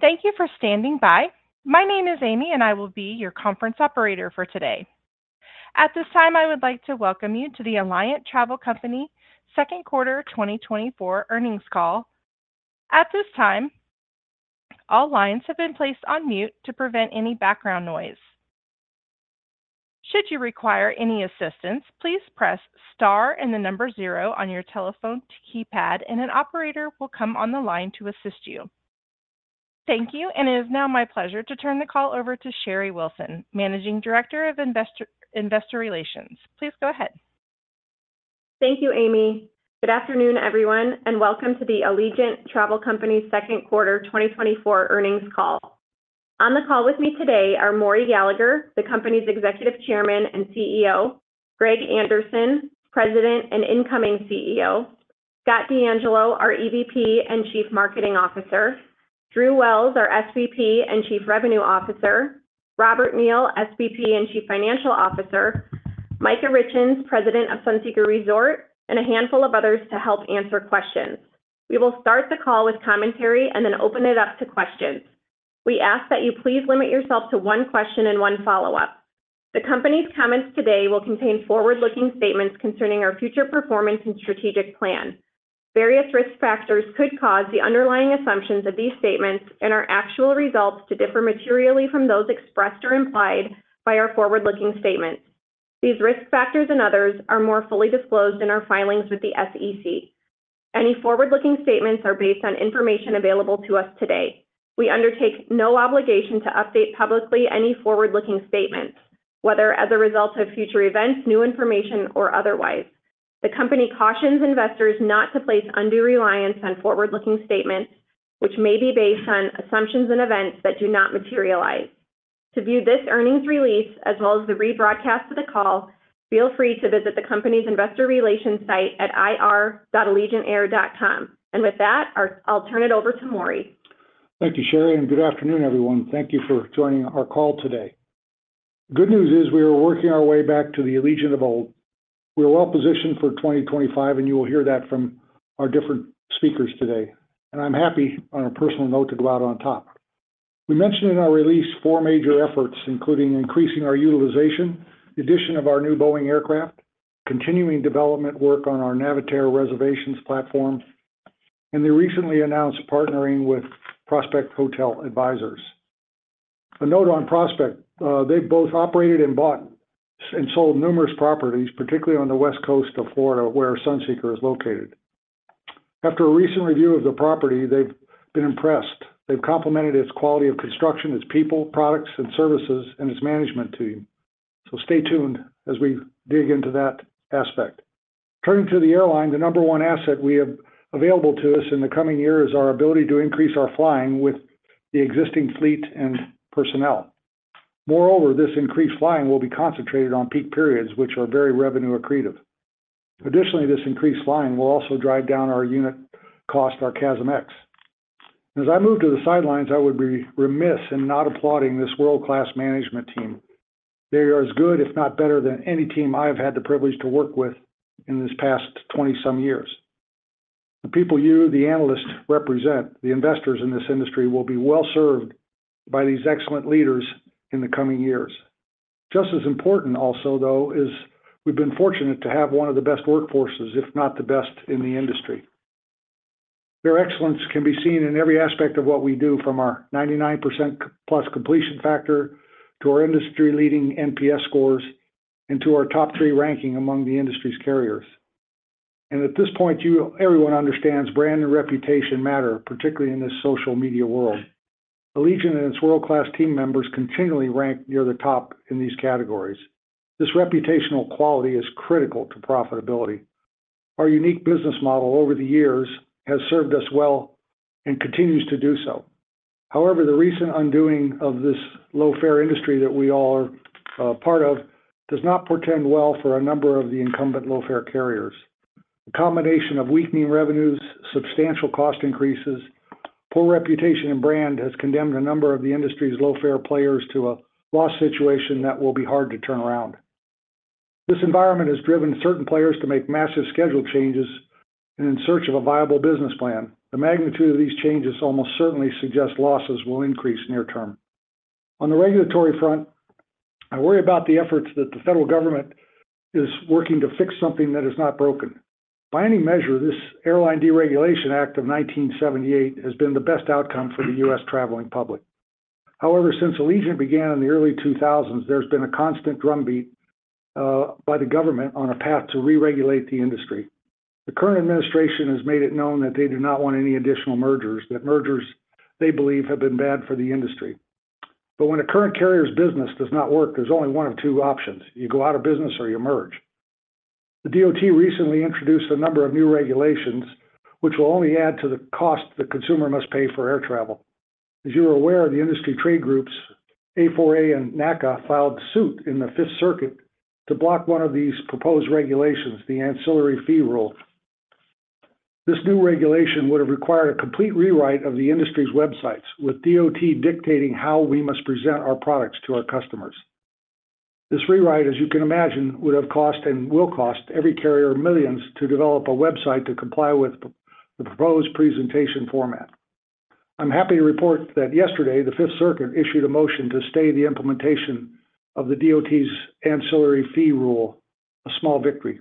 Thank you for standing by. My name is Amy, and I will be your conference operator for today. At this time, I would like to welcome you to the Allegiant Travel Company second quarter 2024 earnings call. At this time, all lines have been placed on mute to prevent any background noise. Should you require any assistance, please press star and the number zero on your telephone keypad, and an operator will come on the line to assist you. Thank you, and it is now my pleasure to turn the call over to Sherry Wilson, Managing Director of Investor Relations. Please go ahead. Thank you, Amy. Good afternoon, everyone, and welcome to the Allegiant Travel Company second quarter 2024 earnings call. On the call with me today are Maury Gallagher, the company's Executive Chairman and CEO, Greg Anderson, President and incoming CEO, Scott DeAngelo, our EVP and Chief Marketing Officer, Drew Wells, our SVP and Chief Revenue Officer, Robert Neal, SVP and Chief Financial Officer, Micah Richins, President of Sunseeker Resort, and a handful of others to help answer questions. We will start the call with commentary and then open it up to questions. We ask that you please limit yourself to one question and one follow-up. The company's comments today will contain forward-looking statements concerning our future performance and strategic plan. Various risk factors could cause the underlying assumptions of these statements and our actual results to differ materially from those expressed or implied by our forward-looking statements. These risk factors and others are more fully disclosed in our filings with the SEC. Any forward-looking statements are based on information available to us today. We undertake no obligation to update publicly any forward-looking statements, whether as a result of future events, new information, or otherwise. The company cautions investors not to place undue reliance on forward-looking statements, which may be based on assumptions and events that do not materialize. To view this earnings release as well as the rebroadcast of the call, feel free to visit the company's Investor Relations site at ir.allegiantair.com. With that, I'll turn it over to Maury. Thank you, Sherry, and good afternoon, everyone. Thank you for joining our call today. The good news is we are working our way back to the Allegiant of old. We are well positioned for 2025, and you will hear that from our different speakers today. I'm happy, on a personal note, to go out on top. We mentioned in our release 4 major efforts, including increasing our utilization, the addition of our new Boeing aircraft, continuing development work on our Navitaire reservations platform, and the recently announced partnering with Prospect Hotel Advisors. A note on Prospect: they've both operated and bought and sold numerous properties, particularly on the West Coast of Florida, where Sunseeker is located. After a recent review of the property, they've been impressed. They've complimented its quality of construction, its people, products, and services, and its management team. So stay tuned as we dig into that aspect. Turning to the airline, the number one asset we have available to us in the coming year is our ability to increase our flying with the existing fleet and personnel. Moreover, this increased flying will be concentrated on peak periods, which are very revenue-accretive. Additionally, this increased flying will also drive down our unit cost, our CASM-ex. As I move to the sidelines, I would be remiss in not applauding this world-class management team. They are as good, if not better, than any team I've had the privilege to work with in this past 20-some years. The people you, the analysts, represent, the investors in this industry, will be well served by these excellent leaders in the coming years. Just as important, also, though, is we've been fortunate to have one of the best workforces, if not the best, in the industry. Their excellence can be seen in every aspect of what we do, from our 99%+ completion factor to our industry-leading NPS scores and to our top-three ranking among the industry's carriers. At this point, everyone understands brand and reputation matter, particularly in this social media world. Allegiant and its world-class team members continually rank near the top in these categories. This reputational quality is critical to profitability. Our unique business model over the years has served us well and continues to do so. However, the recent undoing of this low-fare industry that we all are part of does not portend well for a number of the incumbent low-fare carriers. A combination of weakening revenues, substantial cost increases, poor reputation, and brand has condemned a number of the industry's low-fare players to a loss situation that will be hard to turn around. This environment has driven certain players to make massive schedule changes and in search of a viable business plan. The magnitude of these changes almost certainly suggests losses will increase near term. On the regulatory front, I worry about the efforts that the federal government is working to fix something that is not broken. By any measure, this Airline Deregulation Act of 1978 has been the best outcome for the U.S. traveling public. However, since Allegiant began in the early 2000s, there's been a constant drumbeat by the government on a path to re-regulate the industry. The current administration has made it known that they do not want any additional mergers, that mergers, they believe, have been bad for the industry. But when a current carrier's business does not work, there's only one of two options: you go out of business or you merge. The DOT recently introduced a number of new regulations, which will only add to the cost the consumer must pay for air travel. As you're aware, the industry trade groups, A4A and NACA, filed suit in the Fifth Circuit to block one of these proposed regulations, the ancillary fee rule. This new regulation would have required a complete rewrite of the industry's websites, with DOT dictating how we must present our products to our customers. This rewrite, as you can imagine, would have cost and will cost every carrier $millions to develop a website to comply with the proposed presentation format. I'm happy to report that yesterday, the Fifth Circuit issued a motion to stay the implementation of the DOT's ancillary fee rule, a small victory.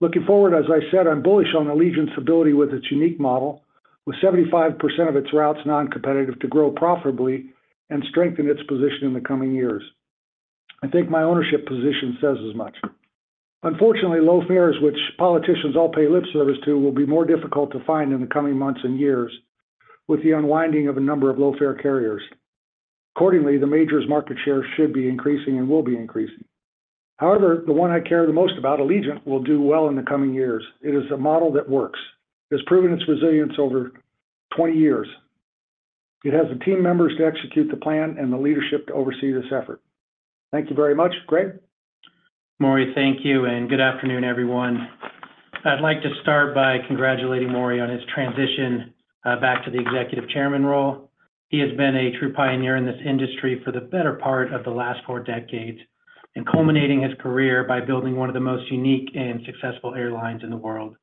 Looking forward, as I said, I'm bullish on Allegiant's ability with its unique model, with 75% of its routes non-competitive, to grow profitably and strengthen its position in the coming years. I think my ownership position says as much. Unfortunately, low fares, which politicians all pay lip service to, will be more difficult to find in the coming months and years with the unwinding of a number of low-fare carriers. Accordingly, the majors' market share should be increasing and will be increasing. However, the one I care the most about, Allegiant, will do well in the coming years. It is a model that works. It has proven its resilience over 20 years. It has the team members to execute the plan and the leadership to oversee this effort. Thank you very much, Greg. Maury, thank you, and good afternoon, everyone. I'd like to start by congratulating Maury on his transition back to the Executive Chairman role. He has been a true pioneer in this industry for the better part of the last four decades, culminating his career by building one of the most unique and successful airlines in the world.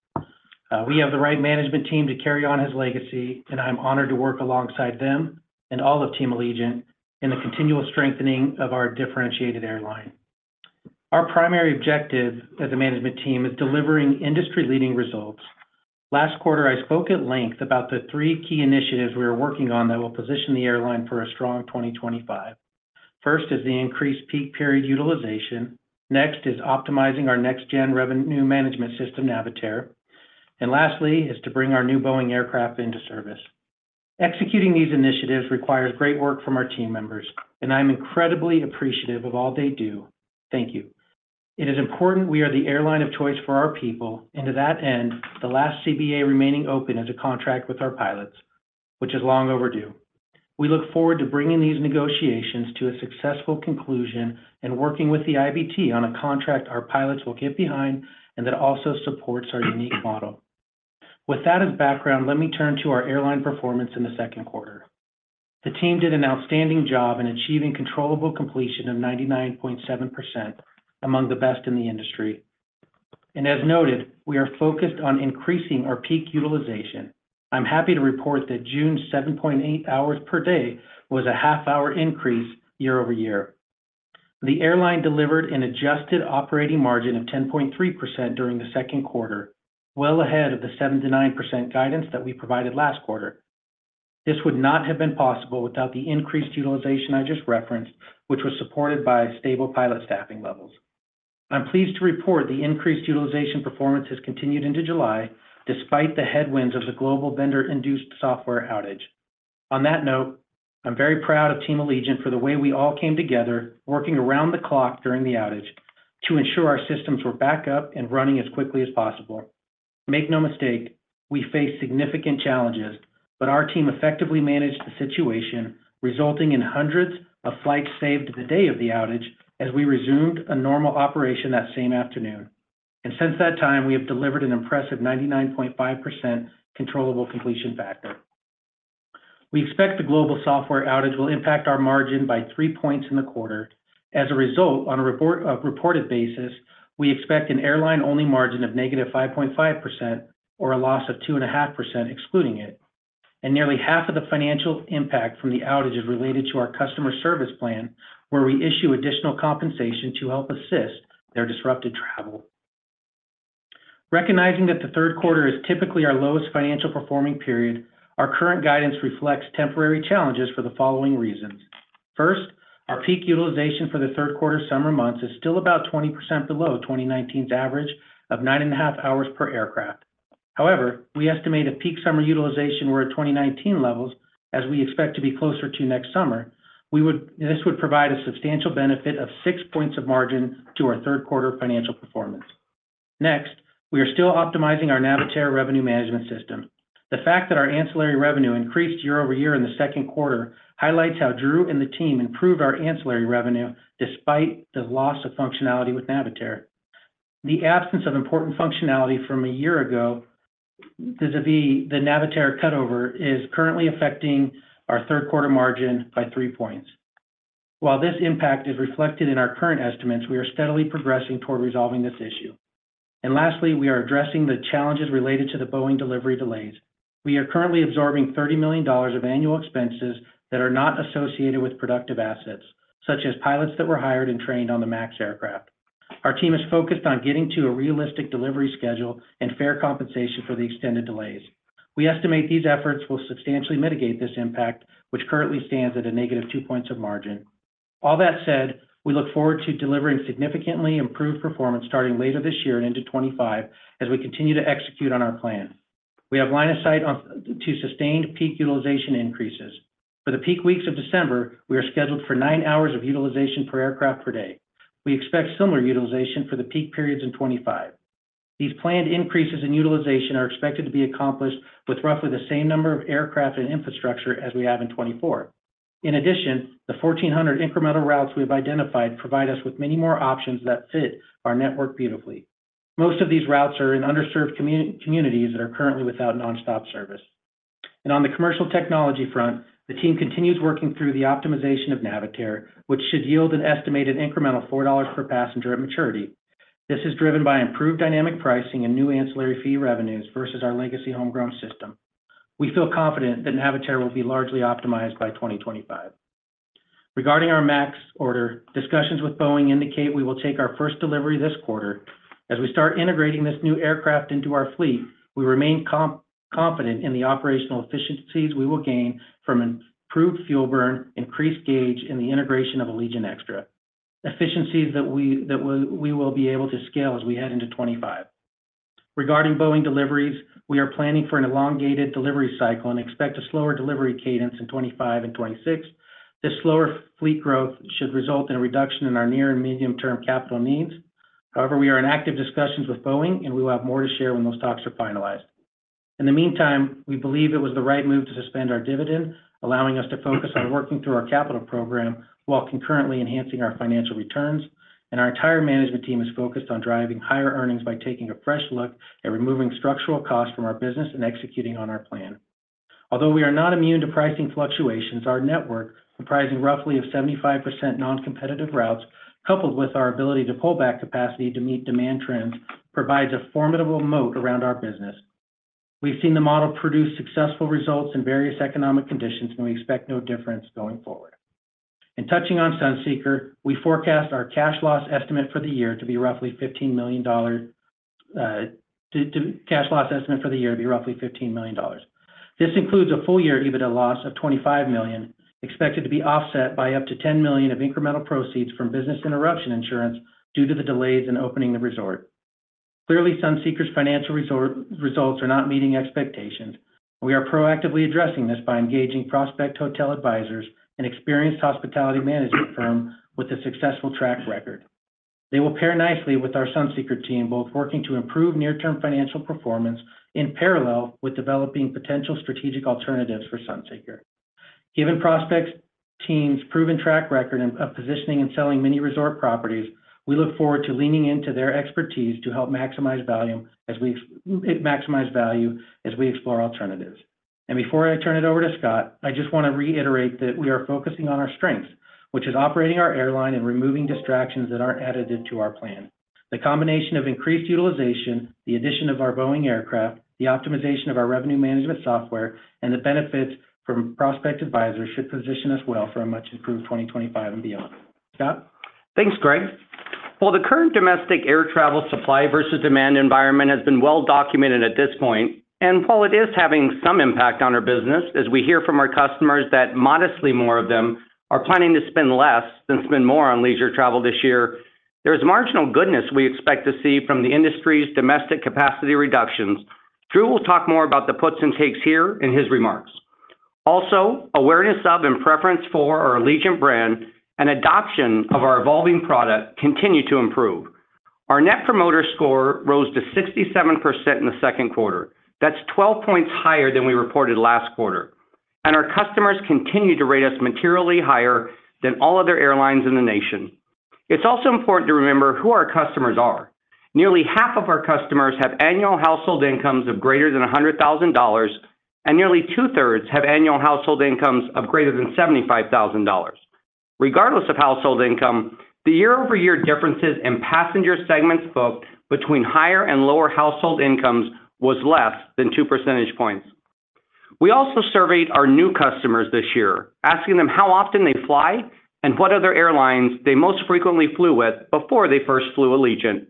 We have the right management team to carry on his legacy, and I'm honored to work alongside them and all of Team Allegiant in the continual strengthening of our differentiated airline. Our primary objective as a management team is delivering industry-leading results. Last quarter, I spoke at length about the three key initiatives we are working on that will position the airline for a strong 2025. First is the increased peak period utilization. Next is optimizing our next-gen revenue management system, Navitaire. And lastly is to bring our new Boeing aircraft into service. Executing these initiatives requires great work from our team members, and I'm incredibly appreciative of all they do. Thank you. It is important we are the airline of choice for our people, and to that end, the last CBA remaining open is a contract with our pilots, which is long overdue. We look forward to bringing these negotiations to a successful conclusion and working with the IBT on a contract our pilots will get behind and that also supports our unique model. With that as background, let me turn to our airline performance in the second quarter. The team did an outstanding job in achieving controllable completion of 99.7% among the best in the industry. As noted, we are focused on increasing our peak utilization. I'm happy to report that June's 7.8 hours per day was a half-hour increase year-over-year. The airline delivered an adjusted operating margin of 10.3% during the second quarter, well ahead of the 7%-9% guidance that we provided last quarter. This would not have been possible without the increased utilization I just referenced, which was supported by stable pilot staffing levels. I'm pleased to report the increased utilization performance has continued into July, despite the headwinds of the global vendor-induced software outage. On that note, I'm very proud of Team Allegiant for the way we all came together, working around the clock during the outage to ensure our systems were back up and running as quickly as possible. Make no mistake, we faced significant challenges, but our team effectively managed the situation, resulting in hundreds of flights saved the day of the outage as we resumed normal operation that same afternoon. Since that time, we have delivered an impressive 99.5% controllable completion factor. We expect the global software outage will impact our margin by three points in the quarter. As a result, on a reported basis, we expect an airline-only margin of negative 5.5% or a loss of 2.5% excluding it. And nearly half of the financial impact from the outage is related to our customer service plan, where we issue additional compensation to help assist their disrupted travel. Recognizing that the third quarter is typically our lowest financial performing period, our current guidance reflects temporary challenges for the following reasons. First, our peak utilization for the third quarter summer months is still about 20% below 2019's average of 9.5 hours per aircraft. However, we estimate if peak summer utilization were at 2019 levels, as we expect to be closer to next summer, this would provide a substantial benefit of 6 points of margin to our third quarter financial performance. Next, we are still optimizing our Navitaire revenue management system. The fact that our ancillary revenue increased year-over-year in the second quarter highlights how Drew and the team improved our ancillary revenue despite the loss of functionality with Navitaire. The absence of important functionality from a year ago, vis-à-vis the Navitaire cutover, is currently affecting our third quarter margin by 3 points. While this impact is reflected in our current estimates, we are steadily progressing toward resolving this issue. And lastly, we are addressing the challenges related to the Boeing delivery delays. We are currently absorbing $30 million of annual expenses that are not associated with productive assets, such as pilots that were hired and trained on the MAX aircraft. Our team is focused on getting to a realistic delivery schedule and fair compensation for the extended delays. We estimate these efforts will substantially mitigate this impact, which currently stands at a negative 2 points of margin. All that said, we look forward to delivering significantly improved performance starting later this year and into 2025 as we continue to execute on our plan. We have line of sight to sustained peak utilization increases. For the peak weeks of December, we are scheduled for 9 hours of utilization per aircraft per day. We expect similar utilization for the peak periods in 2025. These planned increases in utilization are expected to be accomplished with roughly the same number of aircraft and infrastructure as we have in 2024. In addition, the 1,400 incremental routes we have identified provide us with many more options that fit our network beautifully. Most of these routes are in underserved communities that are currently without nonstop service. And on the commercial technology front, the team continues working through the optimization of Navitaire, which should yield an estimated incremental $4 per passenger at maturity. This is driven by improved dynamic pricing and new ancillary fee revenues versus our legacy homegrown system. We feel confident that Navitaire will be largely optimized by 2025. Regarding our MAX order, discussions with Boeing indicate we will take our first delivery this quarter. As we start integrating this new aircraft into our fleet, we remain confident in the operational efficiencies we will gain from improved fuel burn, increased gauge, and the integration of Allegiant Extra. Efficiencies that we will be able to scale as we head into 2025. Regarding Boeing deliveries, we are planning for an elongated delivery cycle and expect a slower delivery cadence in 2025 and 2026. This slower fleet growth should result in a reduction in our near and medium-term capital needs. However, we are in active discussions with Boeing, and we will have more to share when those talks are finalized. In the meantime, we believe it was the right move to suspend our dividend, allowing us to focus on working through our capital program while concurrently enhancing our financial returns. Our entire management team is focused on driving higher earnings by taking a fresh look at removing structural costs from our business and executing on our plan. Although we are not immune to pricing fluctuations, our network, comprising roughly 75% non-competitive routes, coupled with our ability to pull back capacity to meet demand trends, provides a formidable moat around our business. We've seen the model produce successful results in various economic conditions, and we expect no difference going forward. And touching on Sunseeker, we forecast our cash loss estimate for the year to be roughly $15 million. This includes a full-year EBITDA loss of $25 million, expected to be offset by up to $10 million of incremental proceeds from business interruption insurance due to the delays in opening the resort. Clearly, Sunseeker's financial results are not meeting expectations. We are proactively addressing this by engaging Prospect Hotel Advisors and experienced hospitality management firm with a successful track record. They will pair nicely with our Sunseeker team, both working to improve near-term financial performance in parallel with developing potential strategic alternatives for Sunseeker. Given Prospect team's proven track record of positioning and selling many resort properties, we look forward to leaning into their expertise to help maximize value as we explore alternatives. Before I turn it over to Scott, I just want to reiterate that we are focusing on our strengths, which is operating our airline and removing distractions that aren't additive to our plan. The combination of increased utilization, the addition of our Boeing aircraft, the optimization of our revenue management software, and the benefits from Prospect advisors should position us well for a much improved 2025 and beyond. Scott? Thanks, Greg. Well, the current domestic air travel supply versus demand environment has been well documented at this point. And while it is having some impact on our business, as we hear from our customers that modestly more of them are planning to spend less than spend more on leisure travel this year, there's marginal goodness we expect to see from the industry's domestic capacity reductions. Drew will talk more about the puts and takes here in his remarks. Also, awareness of and preference for our Allegiant brand and adoption of our evolving product continue to improve. Our Net Promoter Score rose to 67% in the second quarter. That's 12 points higher than we reported last quarter. And our customers continue to rate us materially higher than all other airlines in the nation. It's also important to remember who our customers are. Nearly half of our customers have annual household incomes of greater than $100,000, and nearly two-thirds have annual household incomes of greater than $75,000. Regardless of household income, the year-over-year differences in passenger segments booked between higher and lower household incomes was less than two percentage points. We also surveyed our new customers this year, asking them how often they fly and what other airlines they most frequently flew with before they first flew Allegiant.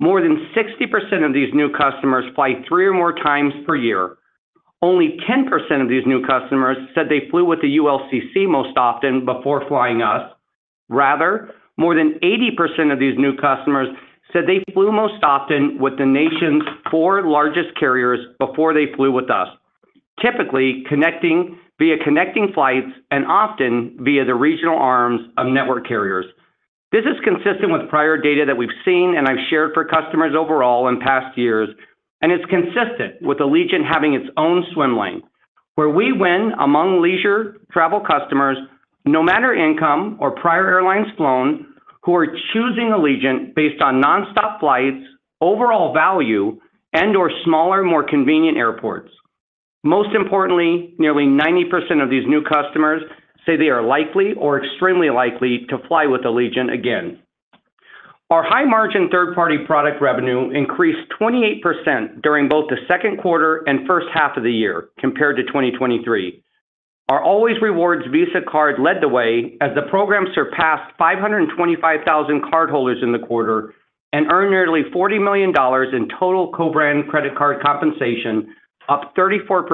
More than 60% of these new customers fly three or more times per year. Only 10% of these new customers said they flew with the ULCC most often before flying us. Rather, more than 80% of these new customers said they flew most often with the nation's four largest carriers before they flew with us, typically via connecting flights and often via the regional arms of network carriers. This is consistent with prior data that we've seen and I've shared for customers overall in past years, and it's consistent with Allegiant having its own swim lane, where we win among leisure travel customers, no matter income or prior airlines flown, who are choosing Allegiant based on nonstop flights, overall value, and/or smaller, more convenient airports. Most importantly, nearly 90% of these new customers say they are likely or extremely likely to fly with Allegiant again. Our high-margin third-party product revenue increased 28% during both the second quarter and first half of the year compared to 2023. Our Allways Rewards Visa card led the way as the program surpassed 525,000 cardholders in the quarter and earned nearly $40 million in total co-brand credit card compensation, up 34%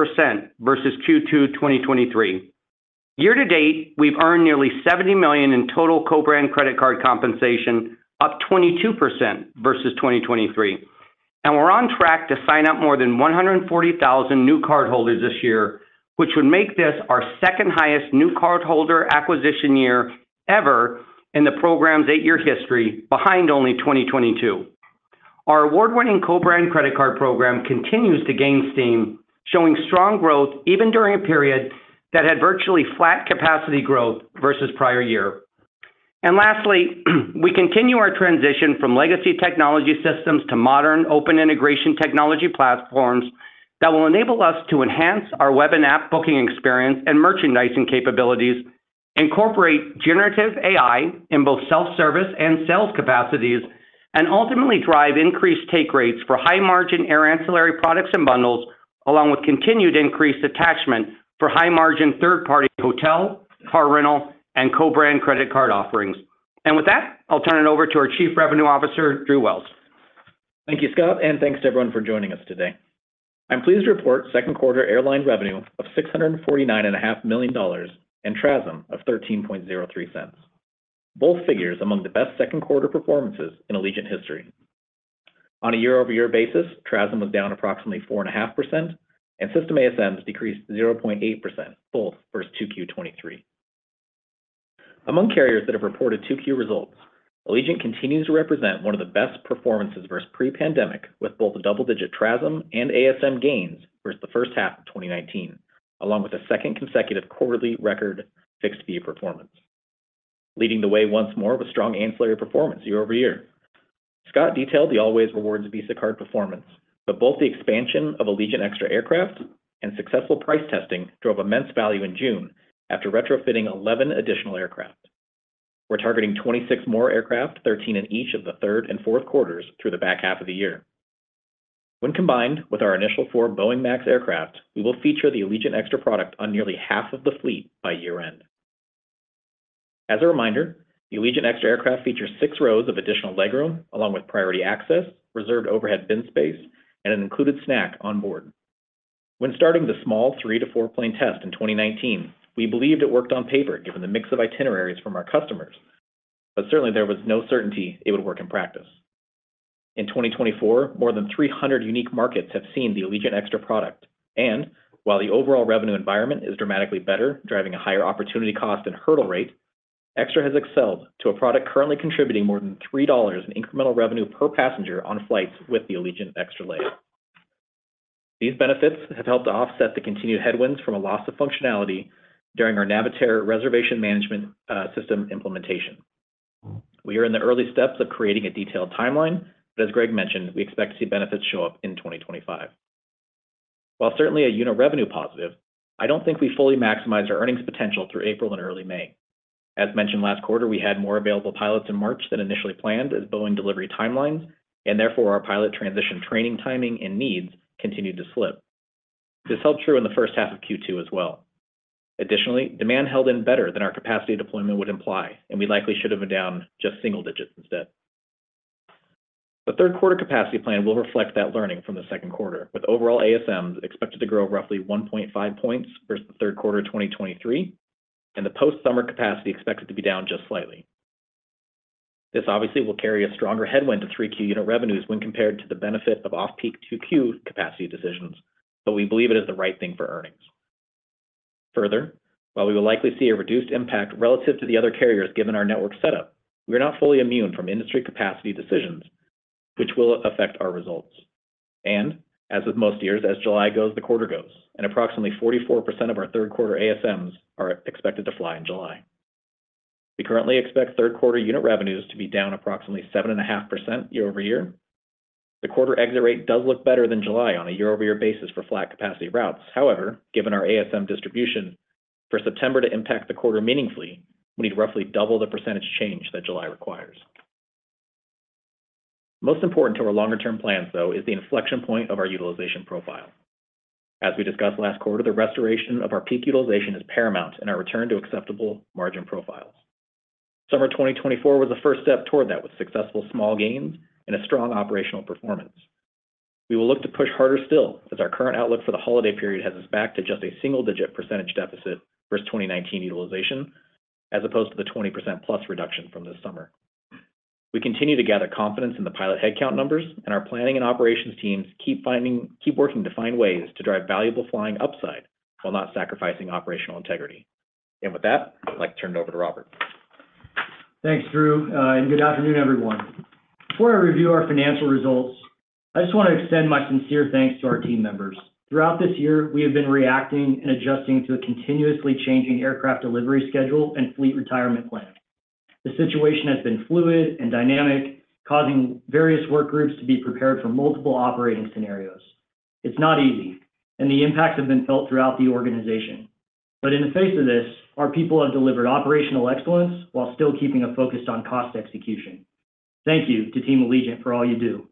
versus Q2 2023. Year to date, we've earned nearly $70 million in total co-brand credit card compensation, up 22% versus 2023. And we're on track to sign up more than 140,000 new cardholders this year, which would make this our second highest new cardholder acquisition year ever in the program's 8-year history, behind only 2022. Our award-winning co-brand credit card program continues to gain steam, showing strong growth even during a period that had virtually flat capacity growth versus prior year. And lastly, we continue our transition from legacy technology systems to modern open integration technology platforms that will enable us to enhance our web and app booking experience and merchandising capabilities, incorporate generative AI in both self-service and sales capacities, and ultimately drive increased take rates for high-margin air ancillary products and bundles, along with continued increased attachment for high-margin third-party hotel, car rental, and co-brand credit card offerings. And with that, I'll turn it over to our Chief Revenue Officer, Drew Wells. Thank you, Scott, and thanks to everyone for joining us today. I'm pleased to report second quarter airline revenue of $649.5 million and TRASM of $0.1303. Both figures among the best second quarter performances in Allegiant history. On a year-over-year basis, TRASM was down approximately 4.5%, and System ASMs decreased 0.8% both versus Q2 2023. Among carriers that have reported Q2 results, Allegiant continues to represent one of the best performances versus pre-pandemic with both a double-digit TRASM and ASM gains versus the first half of 2019, along with a second consecutive quarterly record fixed fee performance, leading the way once more with strong ancillary performance year over year. Scott detailed the Allways Rewards Visa card performance, but both the expansion of Allegiant Extra aircraft and successful price testing drove immense value in June after retrofitting 11 additional aircraft. We're targeting 26 more aircraft, 13 in each of the third and fourth quarters through the back half of the year. When combined with our initial 4 Boeing MAX aircraft, we will feature the Allegiant Extra product on nearly half of the fleet by year-end. As a reminder, the Allegiant Extra aircraft features 6 rows of additional legroom along with priority access, reserved overhead bin space, and an included snack on board. When starting the small 3-4-plane test in 2019, we believed it worked on paper given the mix of itineraries from our customers, but certainly there was no certainty it would work in practice. In 2024, more than 300 unique markets have seen the Allegiant Extra product. While the overall revenue environment is dramatically better, driving a higher opportunity cost and hurdle rate, Extra has excelled to a product currently contributing more than $3 in incremental revenue per passenger on flights with the Allegiant Extra layer. These benefits have helped to offset the continued headwinds from a loss of functionality during our Navitaire reservation management system implementation. We are in the early steps of creating a detailed timeline, but as Greg mentioned, we expect to see benefits show up in 2025. While certainly a unit revenue positive, I don't think we fully maximized our earnings potential through April and early May. As mentioned, last quarter, we had more available pilots in March than initially planned as Boeing delivery timelines, and therefore our pilot transition training timing and needs continued to slip. This held true in the first half of Q2 as well. Additionally, demand held in better than our capacity deployment would imply, and we likely should have been down just single digits instead. The third quarter capacity plan will reflect that learning from the second quarter, with overall ASMs expected to grow roughly 1.5 points versus the third quarter of 2023, and the post-summer capacity expected to be down just slightly. This obviously will carry a stronger headwind to 3Q unit revenues when compared to the benefit of off-peak Q2 capacity decisions, but we believe it is the right thing for earnings. Further, while we will likely see a reduced impact relative to the other carriers given our network setup, we are not fully immune from industry capacity decisions, which will affect our results. As with most years, as July goes, the quarter goes, and approximately 44% of our third quarter ASMs are expected to fly in July. We currently expect third quarter unit revenues to be down approximately 7.5% year-over-year. The quarter exit rate does look better than July on a year-over-year basis for flat capacity routes. However, given our ASM distribution, for September to impact the quarter meaningfully, we need roughly double the percentage change that July requires. Most important to our longer-term plans, though, is the inflection point of our utilization profile. As we discussed last quarter, the restoration of our peak utilization is paramount in our return to acceptable margin profiles. Summer 2024 was the first step toward that with successful small gains and a strong operational performance. We will look to push harder still as our current outlook for the holiday period has us back to just a single-digit percentage deficit versus 2019 utilization, as opposed to the 20%-plus reduction from this summer. We continue to gather confidence in the pilot headcount numbers, and our planning and operations teams keep working to find ways to drive valuable flying upside while not sacrificing operational integrity. With that, I'd like to turn it over to Robert. Thanks, Drew. And good afternoon, everyone. Before I review our financial results, I just want to extend my sincere thanks to our team members. Throughout this year, we have been reacting and adjusting to a continuously changing aircraft delivery schedule and fleet retirement plan. The situation has been fluid and dynamic, causing various work groups to be prepared for multiple operating scenarios. It's not easy, and the impacts have been felt throughout the organization. But in the face of this, our people have delivered operational excellence while still keeping a focus on cost execution. Thank you to Team Allegiant for all you do.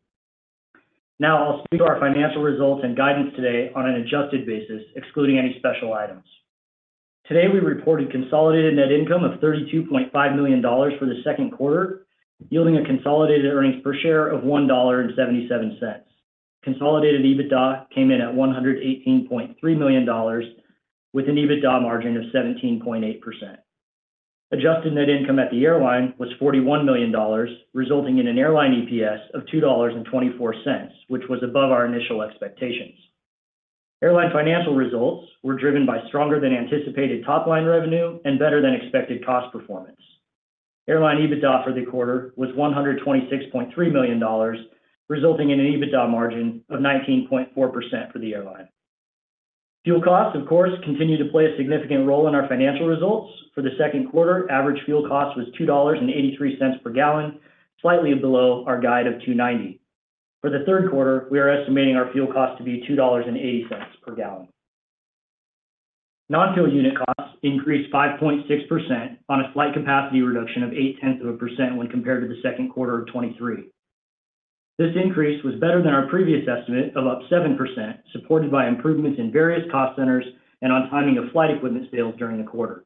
Now, I'll speak to our financial results and guidance today on an adjusted basis, excluding any special items. Today, we reported consolidated net income of $32.5 million for the second quarter, yielding a consolidated earnings per share of $1.77. Consolidated EBITDA came in at $118.3 million, with an EBITDA margin of 17.8%. Adjusted net income at the airline was $41 million, resulting in an airline EPS of $2.24, which was above our initial expectations. Airline financial results were driven by stronger-than-anticipated top-line revenue and better-than-expected cost performance. Airline EBITDA for the quarter was $126.3 million, resulting in an EBITDA margin of 19.4% for the airline. Fuel costs, of course, continue to play a significant role in our financial results. For the second quarter, average fuel cost was $2.83 per gallon, slightly below our guide of $2.90. For the third quarter, we are estimating our fuel cost to be $2.80 per gallon. Non-fuel unit costs increased 5.6% on a slight capacity reduction of 0.8% when compared to the second quarter of 2023. This increase was better than our previous estimate of up 7%, supported by improvements in various cost centers and on timing of flight equipment sales during the quarter.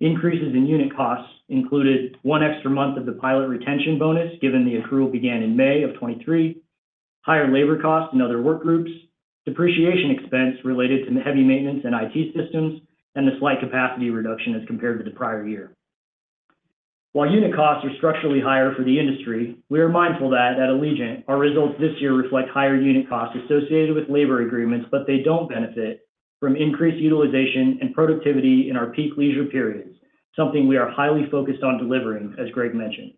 Increases in unit costs included one extra month of the pilot retention bonus given the accrual began in May of 2023, higher labor costs in other work groups, depreciation expense related to heavy maintenance and IT systems, and the slight capacity reduction as compared to the prior year. While unit costs are structurally higher for the industry, we are mindful that at Allegiant, our results this year reflect higher unit costs associated with labor agreements, but they don't benefit from increased utilization and productivity in our peak leisure periods, something we are highly focused on delivering, as Greg mentioned.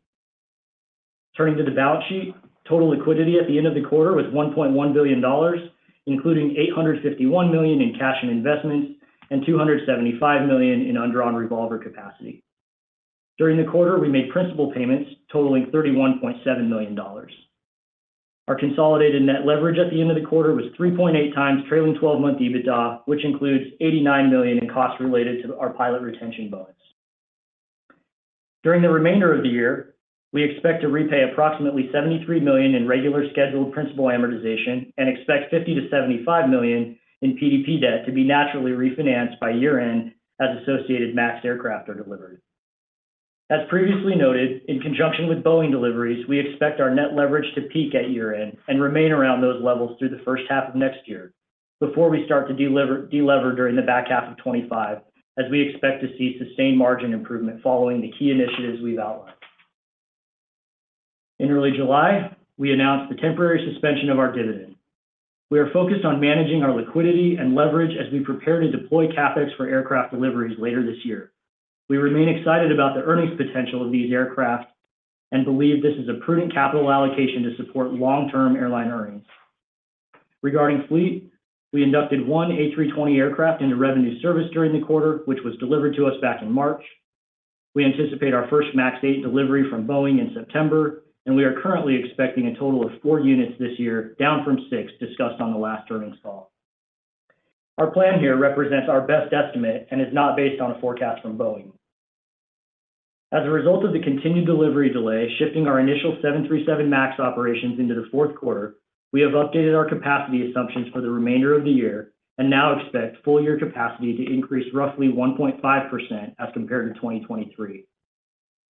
Turning to the balance sheet, total liquidity at the end of the quarter was $1.1 billion, including $851 million in cash and investments and $275 million in undrawn revolver capacity. During the quarter, we made principal payments totaling $31.7 million. Our consolidated net leverage at the end of the quarter was 3.8 times trailing 12-month EBITDA, which includes $89 million in costs related to our pilot retention bonus. During the remainder of the year, we expect to repay approximately $73 million in regular scheduled principal amortization and expect $50 million-$75 million in PDP debt to be naturally refinanced by year-end as associated MAX aircraft are delivered. As previously noted, in conjunction with Boeing deliveries, we expect our net leverage to peak at year-end and remain around those levels through the first half of next year before we start to delever during the back half of 2025, as we expect to see sustained margin improvement following the key initiatives we've outlined. In early July, we announced the temporary suspension of our dividend. We are focused on managing our liquidity and leverage as we prepare to deploy CapEx for aircraft deliveries later this year. We remain excited about the earnings potential of these aircraft and believe this is a prudent capital allocation to support long-term airline earnings. Regarding fleet, we inducted one A320 aircraft into revenue service during the quarter, which was delivered to us back in March. We anticipate our first MAX 8 delivery from Boeing in September, and we are currently expecting a total of 4 units this year, down from 6 discussed on the last earnings call. Our plan here represents our best estimate and is not based on a forecast from Boeing. As a result of the continued delivery delay, shifting our initial 737 MAX operations into the fourth quarter, we have updated our capacity assumptions for the remainder of the year and now expect full-year capacity to increase roughly 1.5% as compared to 2023.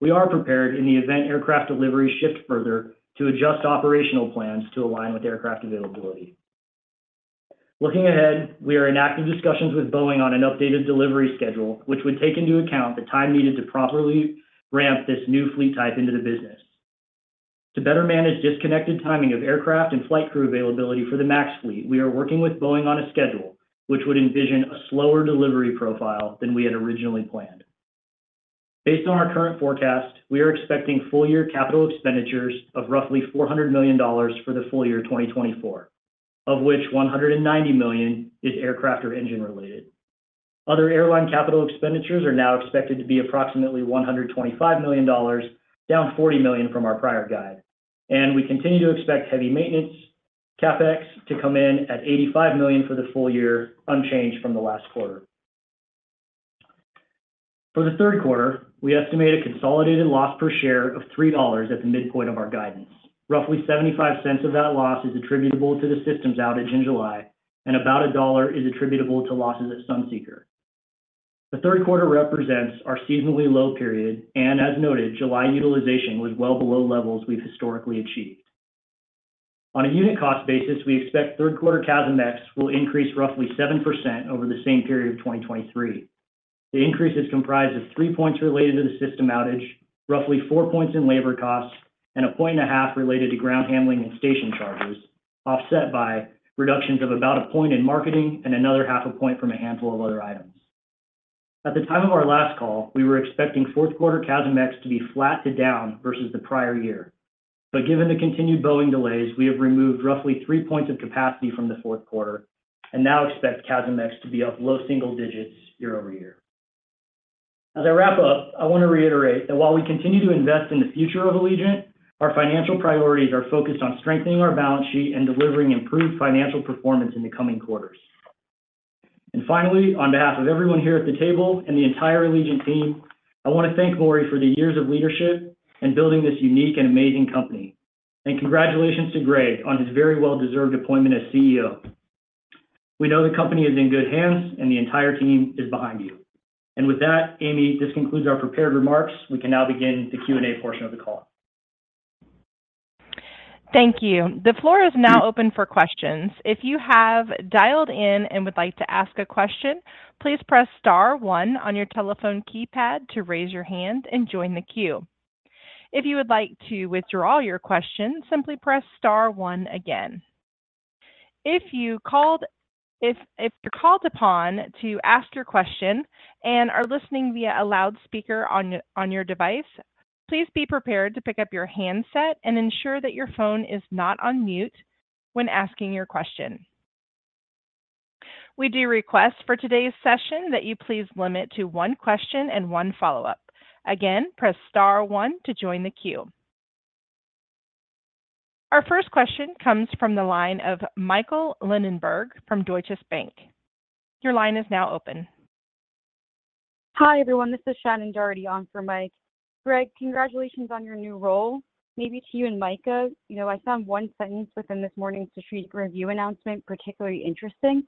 We are prepared in the event aircraft deliveries shift further to adjust operational plans to align with aircraft availability. Looking ahead, we are in active discussions with Boeing on an updated delivery schedule, which would take into account the time needed to properly ramp this new fleet type into the business. To better manage disconnected timing of aircraft and flight crew availability for the MAX fleet, we are working with Boeing on a schedule which would envision a slower delivery profile than we had originally planned. Based on our current forecast, we are expecting full-year capital expenditures of roughly $400 million for the full year 2024, of which $190 million is aircraft or engine-related. Other airline capital expenditures are now expected to be approximately $125 million, down $40 million from our prior guide. And we continue to expect heavy maintenance, CapEx to come in at $85 million for the full year, unchanged from the last quarter. For the third quarter, we estimate a consolidated loss per share of $3 at the midpoint of our guidance. Roughly $0.75 of that loss is attributable to the systems outage in July, and about $1 is attributable to losses at Sunseeker. The third quarter represents our seasonally low period, and as noted, July utilization was well below levels we've historically achieved. On a unit cost basis, we expect third quarter CASM-ex will increase roughly 7% over the same period of 2023. The increase is comprised of 3 points related to the system outage, roughly 4 points in labor costs, and a point and a half related to ground handling and station charges, offset by reductions of about a point in marketing and another half a point from a handful of other items. At the time of our last call, we were expecting fourth quarter CASM-ex to be flat to down versus the prior year. But given the continued Boeing delays, we have removed roughly 3 points of capacity from the fourth quarter and now expect CASM-ex to be up low single digits year-over-year. As I wrap up, I want to reiterate that while we continue to invest in the future of Allegiant, our financial priorities are focused on strengthening our balance sheet and delivering improved financial performance in the coming quarters. And finally, on behalf of everyone here at the table and the entire Allegiant team, I want to thank Maury for the years of leadership and building this unique and amazing company. And congratulations to Greg on his very well-deserved appointment as CEO. We know the company is in good hands and the entire team is behind you. And with that, Amy, this concludes our prepared remarks. We can now begin the Q&A portion of the call. Thank you. The floor is now open for questions. If you have dialed in and would like to ask a question, please press star one on your telephone keypad to raise your hand and join the queue. If you would like to withdraw your question, simply press star one again. If you are called upon to ask your question and are listening via a loudspeaker on your device, please be prepared to pick up your handset and ensure that your phone is not on mute when asking your question. We do request for today's session that you please limit to one question and one follow-up. Again, press star one to join the queue. Our first question comes from the line of Michael Linenberg from Deutsche Bank. Your line is now open. Hi, everyone. This is Shannon Doherty on for Mike. Greg, congratulations on your new role. Maury, to you and Micah, I found one sentence within this morning's strategic review announcement particularly interesting,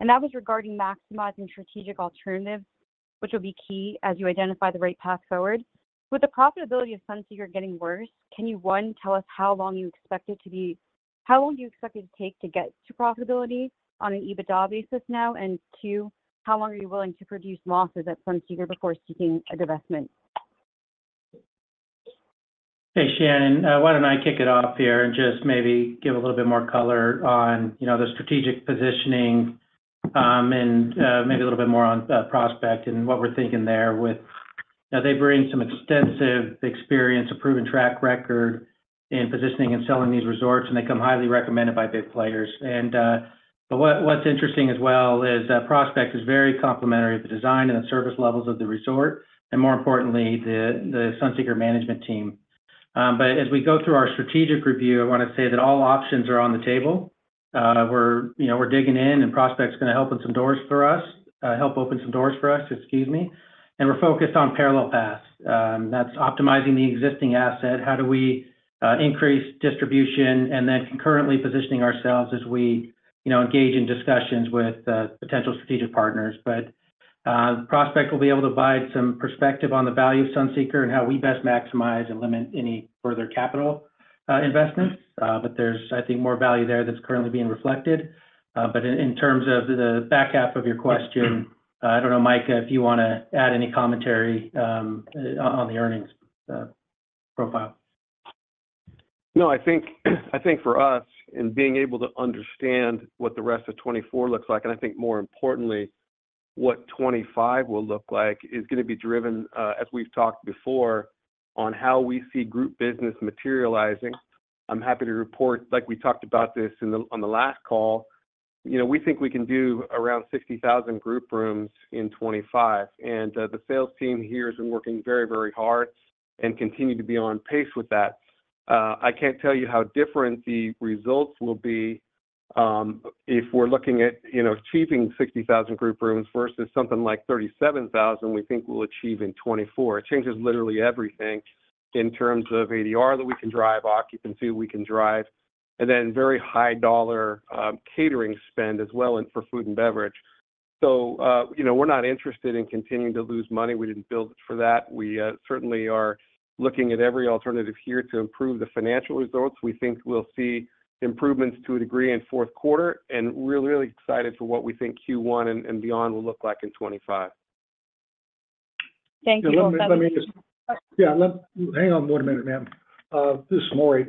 and that was regarding maximizing strategic alternatives, which will be key as you identify the right path forward. With the profitability of Sunseeker getting worse, can you, one, tell us how long do you expect it to take to get to profitability on an EBITDA basis now? And two, how long are you willing to produce losses at Sunseeker before seeking a divestment? Hey, Shannon. Why don't I kick it off here and just maybe give a little bit more color on the strategic positioning and maybe a little bit more on Prospect and what we're thinking there with. They bring some extensive experience, a proven track record in positioning and selling these resorts, and they come highly recommended by big players. But what's interesting as well is Prospect is very complementary to the design and the service levels of the resort, and more importantly, the Sunseeker management team. But as we go through our strategic review, I want to say that all options are on the table. We're digging in, and Prospect's going to help open some doors for us, help open some doors for us, excuse me. And we're focused on parallel paths. That's optimizing the existing asset, how do we increase distribution, and then concurrently positioning ourselves as we engage in discussions with potential strategic partners. But Prospect will be able to provide some perspective on the value of Sunseeker and how we best maximize and limit any further capital investments. But there's, I think, more value there that's currently being reflected. But in terms of the back half of your question, I don't know, Micah, if you want to add any commentary on the earnings profile. No, I think for us, in being able to understand what the rest of 2024 looks like, and I think more importantly, what 2025 will look like, is going to be driven, as we've talked before, on how we see group business materializing. I'm happy to report, like we talked about this on the last call, we think we can do around 60,000 group rooms in 2025. And the sales team here has been working very, very hard and continue to be on pace with that. I can't tell you how different the results will be if we're looking at achieving 60,000 group rooms versus something like 37,000 we think we'll achieve in 2024. It changes literally everything in terms of ADR that we can drive, occupancy we can drive, and then very high-dollar catering spend as well for food and beverage. We're not interested in continuing to lose money. We didn't build it for that. We certainly are looking at every alternative here to improve the financial results. We think we'll see improvements to a degree in fourth quarter, and really, really excited for what we think Q1 and beyond will look like in 2025. Thank you so much. Yeah, hang on one minute, ma'am. This is Maury.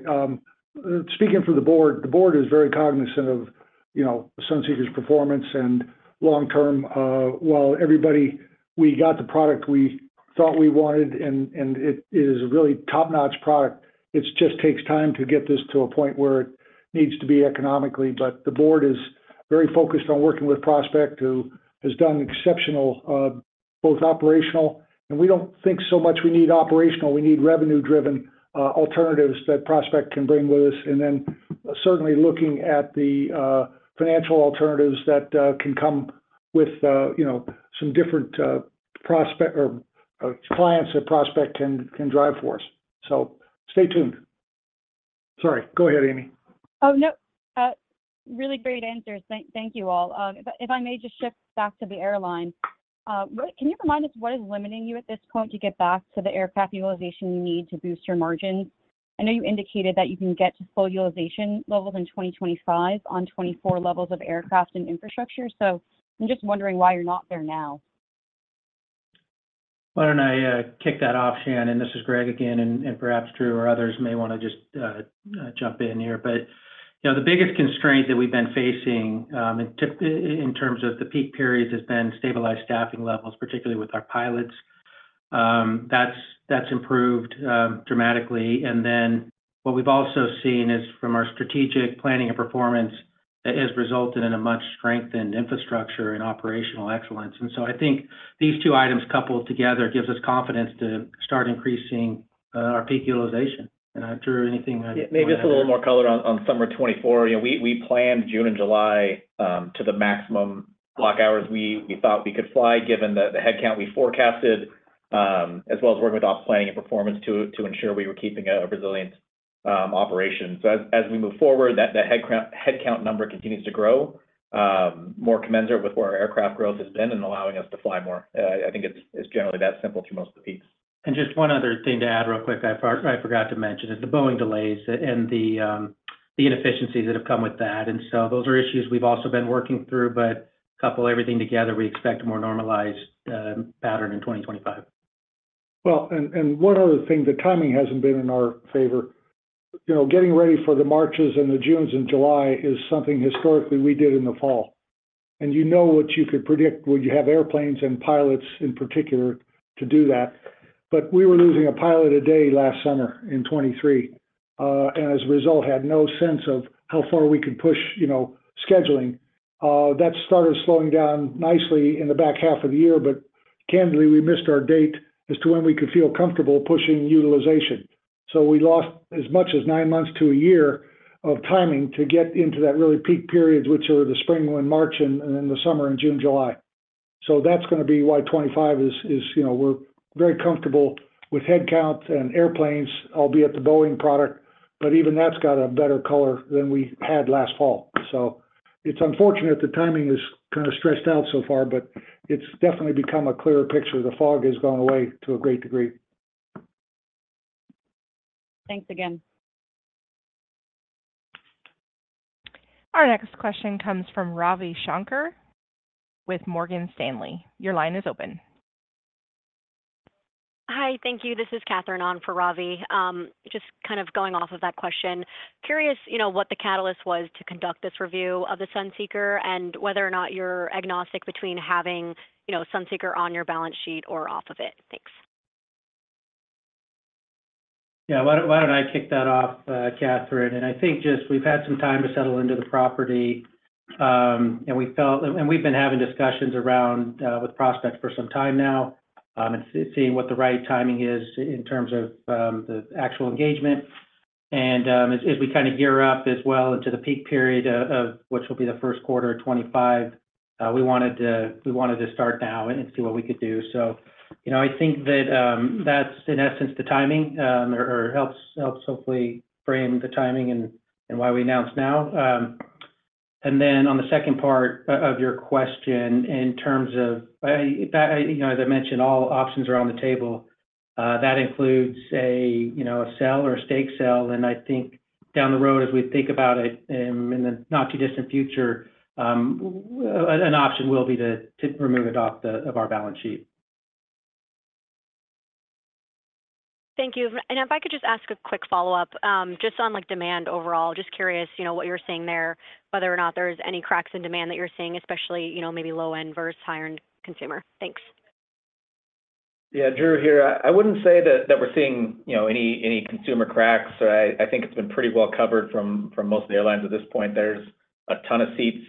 Speaking for the board, the board is very cognizant of Sunseeker's performance and long-term. Well, everybody, we got the product we thought we wanted, and it is a really top-notch product. It just takes time to get this to a point where it needs to be economically. But the board is very focused on working with Prospect, who has done exceptional both operational, and we don't think so much we need operational. We need revenue-driven alternatives that Prospect can bring with us. And then certainly looking at the financial alternatives that can come with some different clients that Prospect can drive for us. So stay tuned. Sorry, go ahead, Amy. Oh, no. Really great answers. Thank you all. If I may just shift back to the airline, can you remind us what is limiting you at this point to get back to the aircraft utilization you need to boost your margins? I know you indicated that you can get to full utilization levels in 2025 on 24 levels of aircraft and infrastructure. So I'm just wondering why you're not there now? Why don't I kick that off, Shannon? This is Greg again, and perhaps Drew or others may want to just jump in here. But the biggest constraint that we've been facing in terms of the peak periods has been stabilized staffing levels, particularly with our pilots. That's improved dramatically. And then what we've also seen is from our strategic planning and performance that has resulted in a much strengthened infrastructure and operational excellence. And so I think these two items coupled together gives us confidence to start increasing our peak utilization. And Drew, anything? Maybe just a little more color on summer 2024. We planned June and July to the maximum block hours we thought we could fly, given the headcount we forecasted, as well as working with ops planning and performance to ensure we were keeping a resilient operation. So as we move forward, that headcount number continues to grow, more commensurate with where our aircraft growth has been and allowing us to fly more. I think it's generally that simple through most of the peaks. Just one other thing to add real quick I forgot to mention is the Boeing delays and the inefficiencies that have come with that. So those are issues we've also been working through. Couple everything together, we expect a more normalized pattern in 2025. Well, one other thing, the timing hasn't been in our favor. Getting ready for the Marches and the Junes and July is something historically we did in the fall. You know what, you could predict when you have airplanes and pilots in particular to do that. We were losing a pilot a day last summer in 2023, and as a result, had no sense of how far we could push scheduling. That started slowing down nicely in the back half of the year, but candidly, we missed our date as to when we could feel comfortable pushing utilization. We lost as much as 9 months to a year of timing to get into that really peak period, which are the spring and March, and then the summer and June, July. So that's going to be why 2025 is we're very comfortable with headcount and airplanes, albeit the Boeing product, but even that's got a better color than we had last fall. So it's unfortunate the timing is kind of stretched out so far, but it's definitely become a clearer picture. The fog has gone away to a great degree. Thanks again. Our next question comes from Ravi Shanker with Morgan Stanley. Your line is open. Hi, thank you. This is Catherine on for Ravi. Just kind of going off of that question, curious what the catalyst was to conduct this review of the Sunseeker and whether or not you're agnostic between having Sunseeker on your balance sheet or off of it. Thanks. Yeah, why don't I kick that off, Katherine? And I think just we've had some time to settle into the property, and we've been having discussions with Prospect for some time now and seeing what the right timing is in terms of the actual engagement. And as we kind of gear up as well into the peak period of what will be the first quarter of 2025, we wanted to start now and see what we could do. So I think that that's, in essence, the timing or helps hopefully frame the timing and why we announced now. And then on the second part of your question, in terms of, as I mentioned, all options are on the table, that includes a sell or a stake sell. I think down the road, as we think about it in the not-too-distant future, an option will be to remove it off of our balance sheet. Thank you. And if I could just ask a quick follow-up, just on demand overall, just curious what you're seeing there, whether or not there's any cracks in demand that you're seeing, especially maybe low-end versus high-end consumer? Thanks. Yeah, Drew here. I wouldn't say that we're seeing any consumer cracks. I think it's been pretty well covered from most of the airlines at this point. There's a ton of seats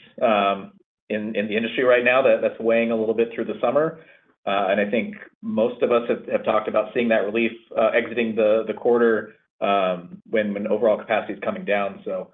in the industry right now that's weighing a little bit through the summer. I think most of us have talked about seeing that relief exiting the quarter when overall capacity is coming down. So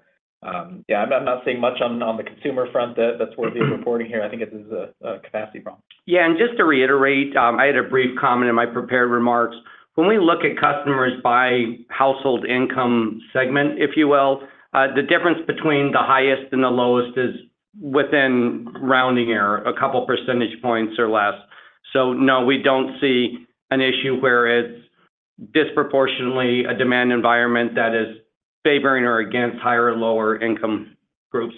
yeah, I'm not seeing much on the consumer front that's worthy of reporting here. I think it's a capacity problem. Yeah. And just to reiterate, I had a brief comment in my prepared remarks. When we look at customers by household income segment, if you will, the difference between the highest and the lowest is within rounding error, a couple of percentage points or less. So no, we don't see an issue where it's disproportionately a demand environment that is favoring or against higher and lower income groups.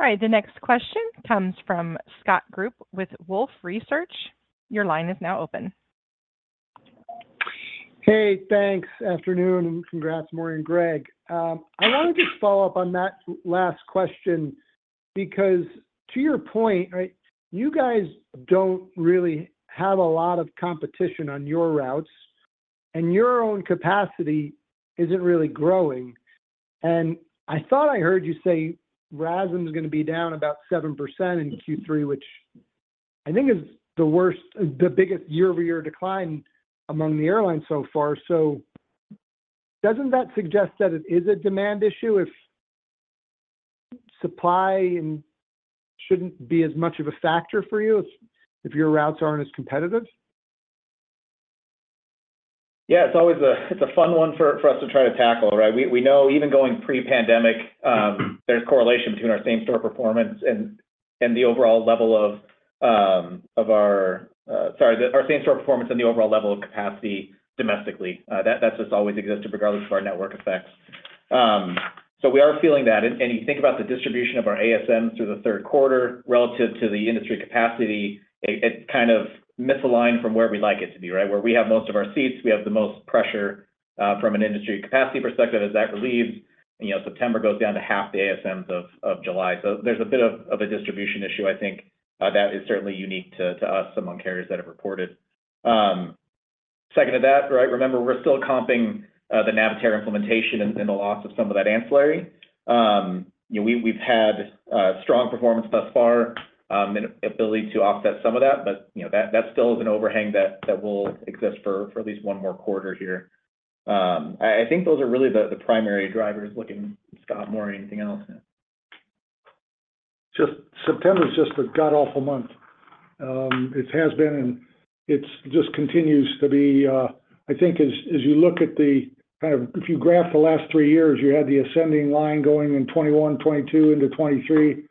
All right. The next question comes from Scott Group with Wolfe Research. Your line is now open. Hey, thanks. Afternoon, and congrats, Maury and Greg. I want to just follow up on that last question because to your point, you guys don't really have a lot of competition on your routes, and your own capacity isn't really growing. And I thought I heard you say TRASM is going to be down about 7% in Q3, which I think is the biggest year-over-year decline among the airlines so far. So doesn't that suggest that it is a demand issue if supply shouldn't be as much of a factor for you if your routes aren't as competitive? Yeah, it's always a fun one for us to try to tackle, right? We know even going pre-pandemic, there's correlation between our same-store performance and the overall level of our - sorry, our same-store performance and the overall level of capacity domestically. That's just always existed regardless of our network effects. So we are feeling that. And you think about the distribution of our ASMs through the third quarter relative to the industry capacity, it's kind of misaligned from where we'd like it to be, right? Where we have most of our seats, we have the most pressure from an industry capacity perspective, as that relieves, and September goes down to half the ASMs of July. So there's a bit of a distribution issue, I think, that is certainly unique to us among carriers that have reported. Second to that, right, remember we're still comping the Navitaire implementation and the loss of some of that ancillary. We've had strong performance thus far and ability to offset some of that, but that still is an overhang that will exist for at least one more quarter here. I think those are really the primary drivers. Looking at Scott, Maury, anything else? Just September is just a godawful month. It has been, and it just continues to be. I think as you look at the kind of, if you graph the last three years, you had the ascending line going in 2021, 2022 into 2023,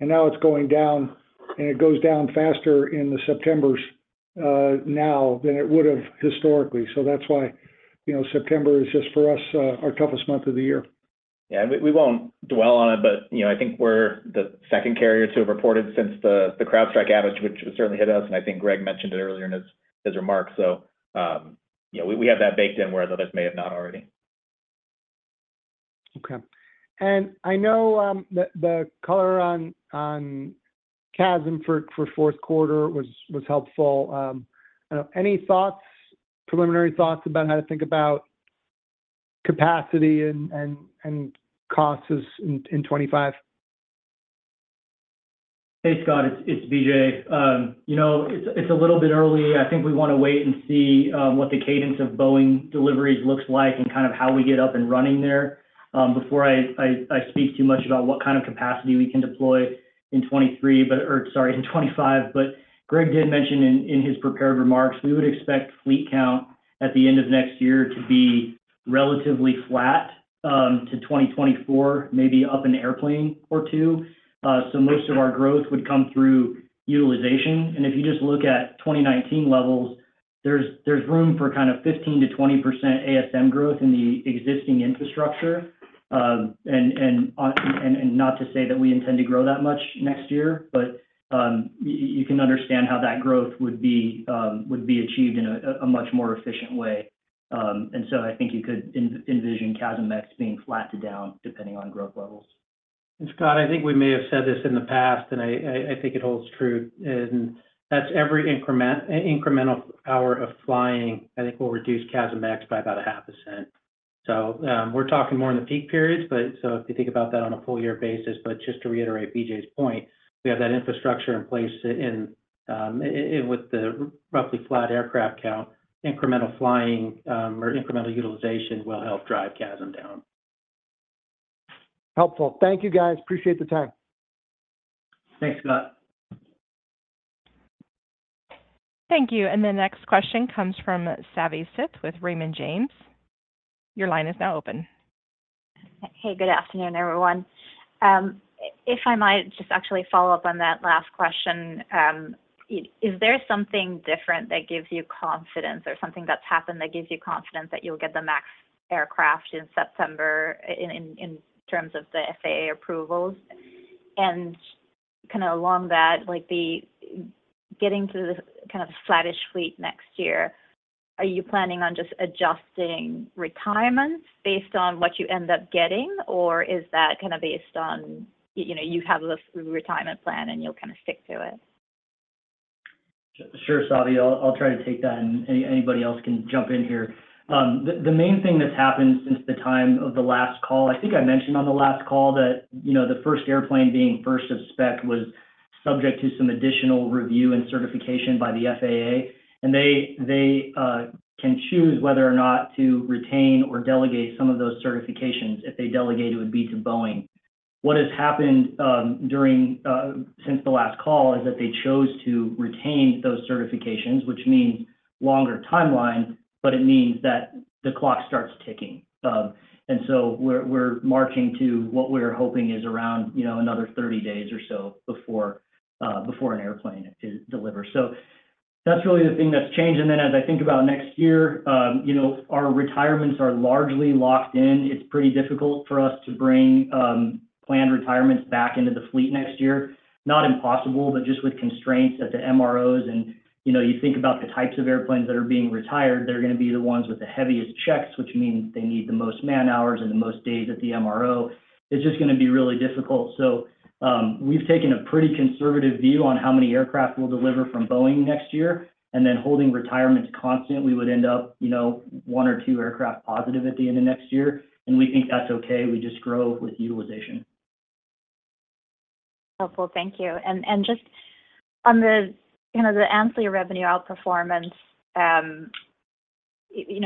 and now it's going down, and it goes down faster in the Septembers now than it would have historically. So that's why September is just, for us, our toughest month of the year. Yeah. We won't dwell on it, but I think we're the second carrier to have reported since the CrowdStrike outage, which certainly hit us, and I think Greg mentioned it earlier in his remarks. So we have that baked in where others may have not already. Okay. I know the color on CASM for fourth quarter was helpful. Any thoughts, preliminary thoughts about how to think about capacity and costs in 2025? Hey, Scott, it's BJ. It's a little bit early. I think we want to wait and see what the cadence of Boeing deliveries looks like and kind of how we get up and running there before I speak too much about what kind of capacity we can deploy in 2023 or sorry, in 2025. But Greg did mention in his prepared remarks, we would expect fleet count at the end of next year to be relatively flat to 2024, maybe up an airplane or two. So most of our growth would come through utilization. And if you just look at 2019 levels, there's room for kind of 15%-20% ASM growth in the existing infrastructure. And not to say that we intend to grow that much next year, but you can understand how that growth would be achieved in a much more efficient way. So I think you could envision CASM-ex being flat to down depending on growth levels. Scott, I think we may have said this in the past, and I think it holds true. That's every incremental hour of flying, I think, will reduce CASM-ex by about $0.005. We're talking more in the peak periods, but so if you think about that on a full-year basis. Just to reiterate VJ's point, we have that infrastructure in place with the roughly flat aircraft count. Incremental flying or incremental utilization will help drive CASM-ex down. Helpful. Thank you, guys. Appreciate the time. Thanks, Scott. Thank you. And the next question comes from Savi Syth with Raymond James. Your line is now open. Hey, good afternoon, everyone. If I might just actually follow up on that last question, is there something different that gives you confidence or something that's happened that gives you confidence that you'll get the MAX aircraft in September in terms of the FAA approvals? And kind of along that, getting to the kind of flatish fleet next year, are you planning on just adjusting retirements based on what you end up getting, or is that kind of based on you have a retirement plan and you'll kind of stick to it? Sure, Savi. I'll try to take that, and anybody else can jump in here. The main thing that's happened since the time of the last call, I think I mentioned on the last call that the first airplane being first of spec was subject to some additional review and certification by the FAA, and they can choose whether or not to retain or delegate some of those certifications. If they delegate, it would be to Boeing. What has happened since the last call is that they chose to retain those certifications, which means longer timeline, but it means that the clock starts ticking. And so we're marching to what we're hoping is around another 30 days or so before an airplane delivers. So that's really the thing that's changed. And then as I think about next year, our retirements are largely locked in. It's pretty difficult for us to bring planned retirements back into the fleet next year. Not impossible, but just with constraints at the MROs. And you think about the types of airplanes that are being retired, they're going to be the ones with the heaviest checks, which means they need the most man-hours and the most days at the MRO. It's just going to be really difficult. So we've taken a pretty conservative view on how many aircraft we'll deliver from Boeing next year. And then holding retirements constant, we would end up 1 or 2 aircraft positive at the end of next year. And we think that's okay. We just grow with utilization. Helpful. Thank you. And just on the ancillary revenue outperformance,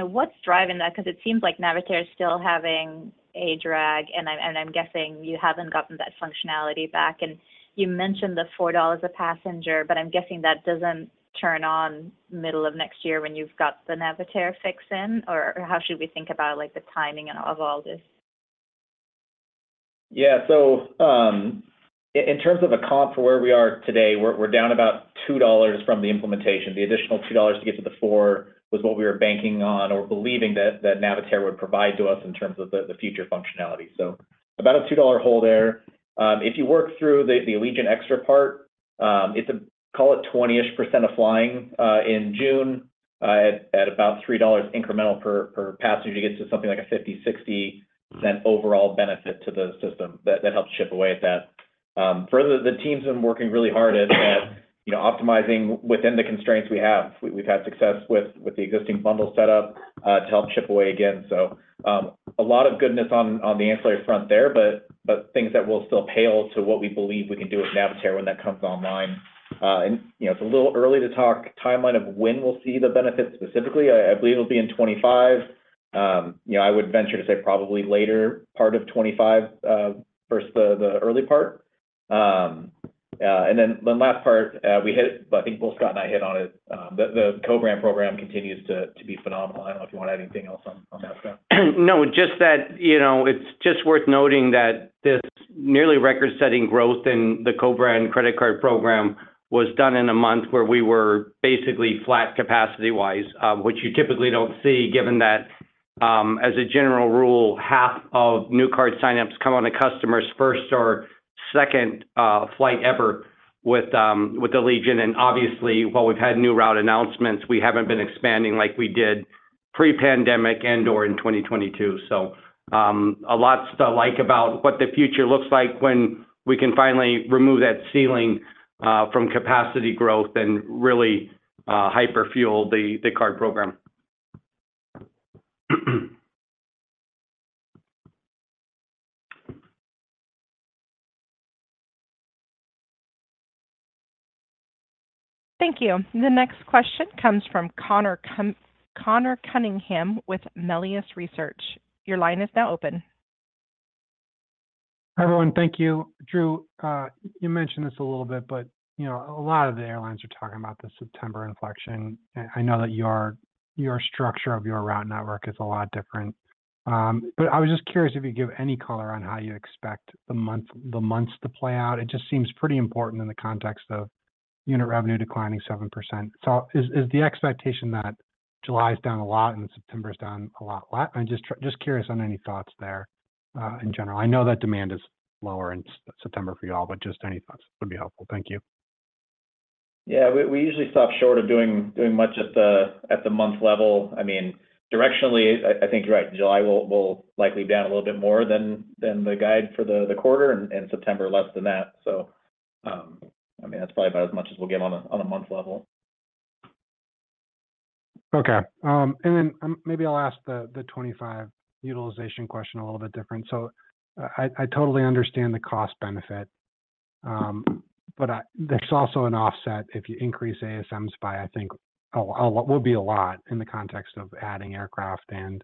what's driving that? Because it seems like Navitaire is still having a drag, and I'm guessing you haven't gotten that functionality back. And you mentioned the $4 a passenger, but I'm guessing that doesn't turn on middle of next year when you've got the Navitaire fix in, or how should we think about the timing of all this? Yeah. So in terms of a comp for where we are today, we're down about $2 from the implementation. The additional $2 to get to the 4 was what we were banking on or believing that Navitaire would provide to us in terms of the future functionality. So about a $2 hold there. If you work through the Allegiant Extra part, it's a, call it 20-ish% of flying in June at about $3 incremental per passenger. You get to something like a 50-60-cent overall benefit to the system that helps chip away at that. Further, the team's been working really hard at optimizing within the constraints we have. We've had success with the existing bundle setup to help chip away again. So a lot of goodness on the ancillary front there, but things that will still pale to what we believe we can do with Navitaire when that comes online. And it's a little early to talk timeline of when we'll see the benefits specifically. I believe it'll be in 2025. I would venture to say probably later part of 2025, first the early part. And then the last part we hit, but I think both Scott and I hit on it. The co-branded program continues to be phenomenal. I don't know if you want to add anything else on that, Scott. No, just that it's just worth noting that this nearly record-setting growth in the co-branded credit card program was done in a month where we were basically flat capacity-wise, which you typically don't see given that, as a general rule, half of new card signups come on a customer's first or second flight ever with Allegiant. And obviously, while we've had new route announcements, we haven't been expanding like we did pre-pandemic and/or in 2022. So a lot to like about what the future looks like when we can finally remove that ceiling from capacity growth and really hyper-fuel the card program. Thank you. The next question comes from Conor Cunningham with Melius Research. Your line is now open. Hi everyone. Thank you. Drew, you mentioned this a little bit, but a lot of the airlines are talking about the September inflection. I know that your structure of your route network is a lot different. But I was just curious if you could give any color on how you expect the months to play out. It just seems pretty important in the context of unit revenue declining 7%. So is the expectation that July is down a lot and September is down a lot? I'm just curious on any thoughts there in general. I know that demand is lower in September for you all, but just any thoughts would be helpful. Thank you. Yeah. We usually stop short of doing much at the month level. I mean, directionally, I think, right, July will likely be down a little bit more than the guide for the quarter and September less than that. So I mean, that's probably about as much as we'll get on a month level. Okay. And then maybe I'll ask the 2025 utilization question a little bit different. So I totally understand the cost benefit, but there's also an offset if you increase ASMs by, I think, will be a lot in the context of adding aircraft and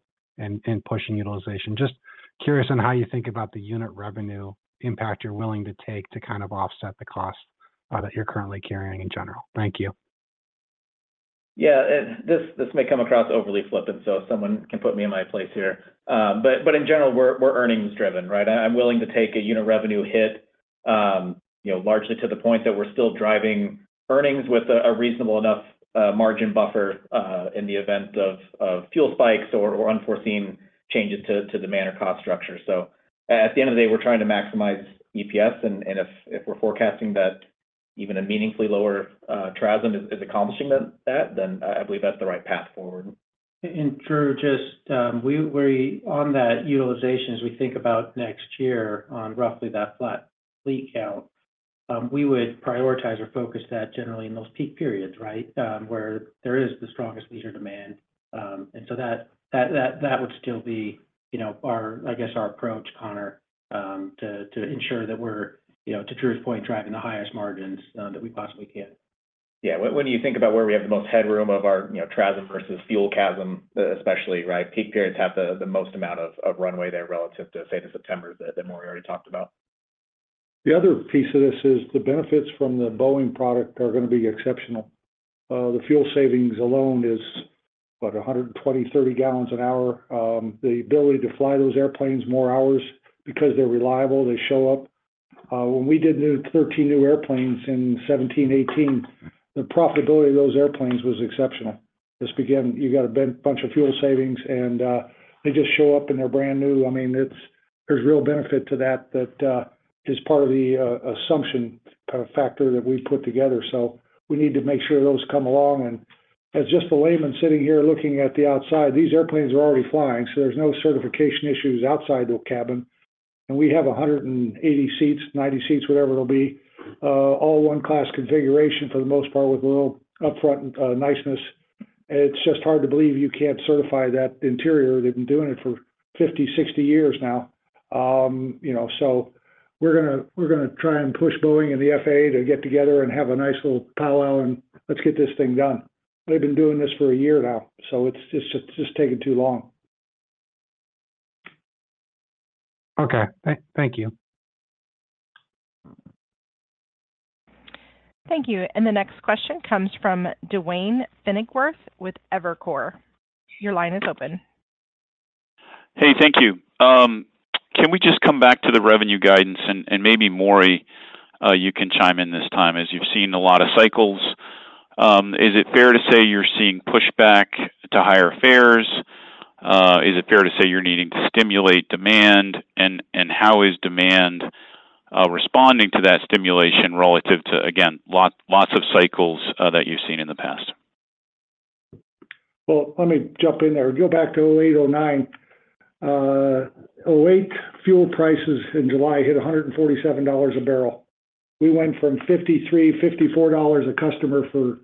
pushing utilization. Just curious on how you think about the unit revenue impact you're willing to take to kind of offset the cost that you're currently carrying in general. Thank you. Yeah. This may come across overly flippant, so someone can put me in my place here. But in general, we're earnings-driven, right? I'm willing to take a unit revenue hit largely to the point that we're still driving earnings with a reasonable enough margin buffer in the event of fuel spikes or unforeseen changes to demand or cost structure. So at the end of the day, we're trying to maximize EPS. And if we're forecasting that even a meaningfully lower TRASM is accomplishing that, then I believe that's the right path forward. And Drew, just on that utilization, as we think about next year on roughly that flat fleet count, we would prioritize or focus that generally in those peak periods, right, where there is the strongest leisure demand. And so that would still be, I guess, our approach, Conor, to ensure that we're, to Drew's point, driving the highest margins that we possibly can. Yeah. When you think about where we have the most headroom of our TRASM versus fuel CASM, especially, right, peak periods have the most amount of runway there relative to, say, the Septembers that Maury already talked about. The other piece of this is the benefits from the Boeing product are going to be exceptional. The fuel savings alone is, what, 120-30 gallons an hour. The ability to fly those airplanes more hours because they're reliable, they show up. When we did 13 new airplanes in 2017, 2018, the profitability of those airplanes was exceptional. Just again, you got a bunch of fuel savings, and they just show up and they're brand new. I mean, there's real benefit to that that is part of the assumption kind of factor that we put together. So we need to make sure those come along. And as just the layman sitting here looking at the outside, these airplanes are already flying, so there's no certification issues outside the cabin. And we have 180 seats, 90 seats, whatever it'll be, all one-class configuration for the most part with a little upfront niceness. It's just hard to believe you can't certify that interior. They've been doing it for 50-60 years now. So we're going to try and push Boeing and the FAA to get together and have a nice little powwow and let's get this thing done. They've been doing this for 1 year now, so it's just taken too long. Okay. Thank you. Thank you. The next question comes from Duane Pfennigwerth with Evercore. Your line is open. Hey, thank you. Can we just come back to the revenue guidance? Maybe Maury, you can chime in this time. As you've seen a lot of cycles, is it fair to say you're seeing pushback to higher fares? Is it fair to say you're needing to stimulate demand? And how is demand responding to that stimulation relative to, again, lots of cycles that you've seen in the past? Well, let me jump in there. Go back to 2008, 2009. 2008, fuel prices in July hit $147 a barrel. We went from $53, $54 a customer for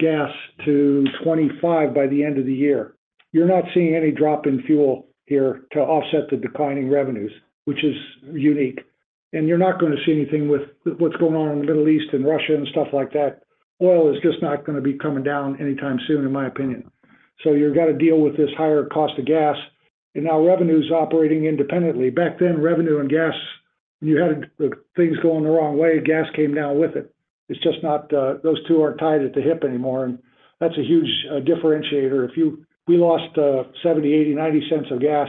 gas to $25 by the end of the year. You're not seeing any drop in fuel here to offset the declining revenues, which is unique. And you're not going to see anything with what's going on in the Middle East and Russia and stuff like that. Oil is just not going to be coming down anytime soon, in my opinion. So you've got to deal with this higher cost of gas. And now revenue is operating independently. Back then, revenue and gas, when you had things going the wrong way, gas came down with it. It's just not those two aren't tied at the hip anymore. And that's a huge differentiator. If we lost 70, 80, 90 cents of gas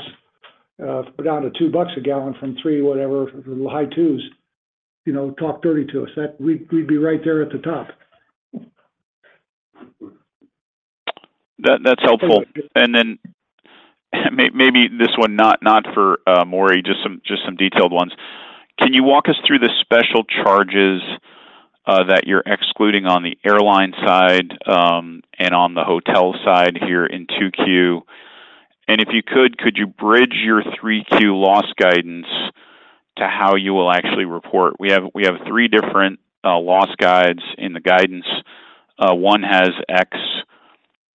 down to $2 a gallon from $3, whatever, the high twos, talk dirty to us. We'd be right there at the top. That's helpful. Then maybe this one not for Maury, just some detailed ones. Can you walk us through the special charges that you're excluding on the airline side and on the hotel side here in 2Q? And if you could, could you bridge your 3Q loss guidance to how you will actually report? We have three different loss guides in the guidance. One has X,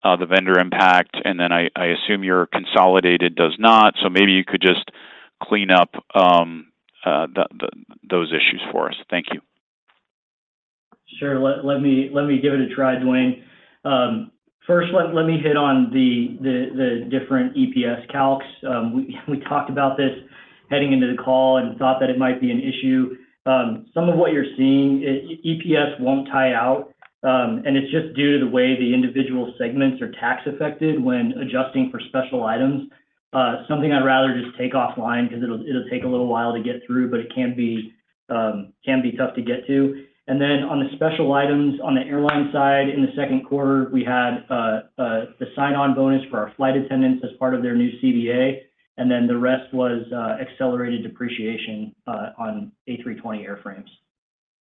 the vendor impact, and then I assume your consolidated does not. So maybe you could just clean up those issues for us. Thank you. Sure. Let me give it a try, Duane. First, let me hit on the different EPS calcs. We talked about this heading into the call and thought that it might be an issue. Some of what you're seeing, EPS won't tie out. And it's just due to the way the individual segments are tax-affected when adjusting for special items. Something I'd rather just take offline because it'll take a little while to get through, but it can be tough to get to. And then on the special items on the airline side, in the second quarter, we had the sign-on bonus for our flight attendants as part of their new CBA. And then the rest was accelerated depreciation on A320 airframes.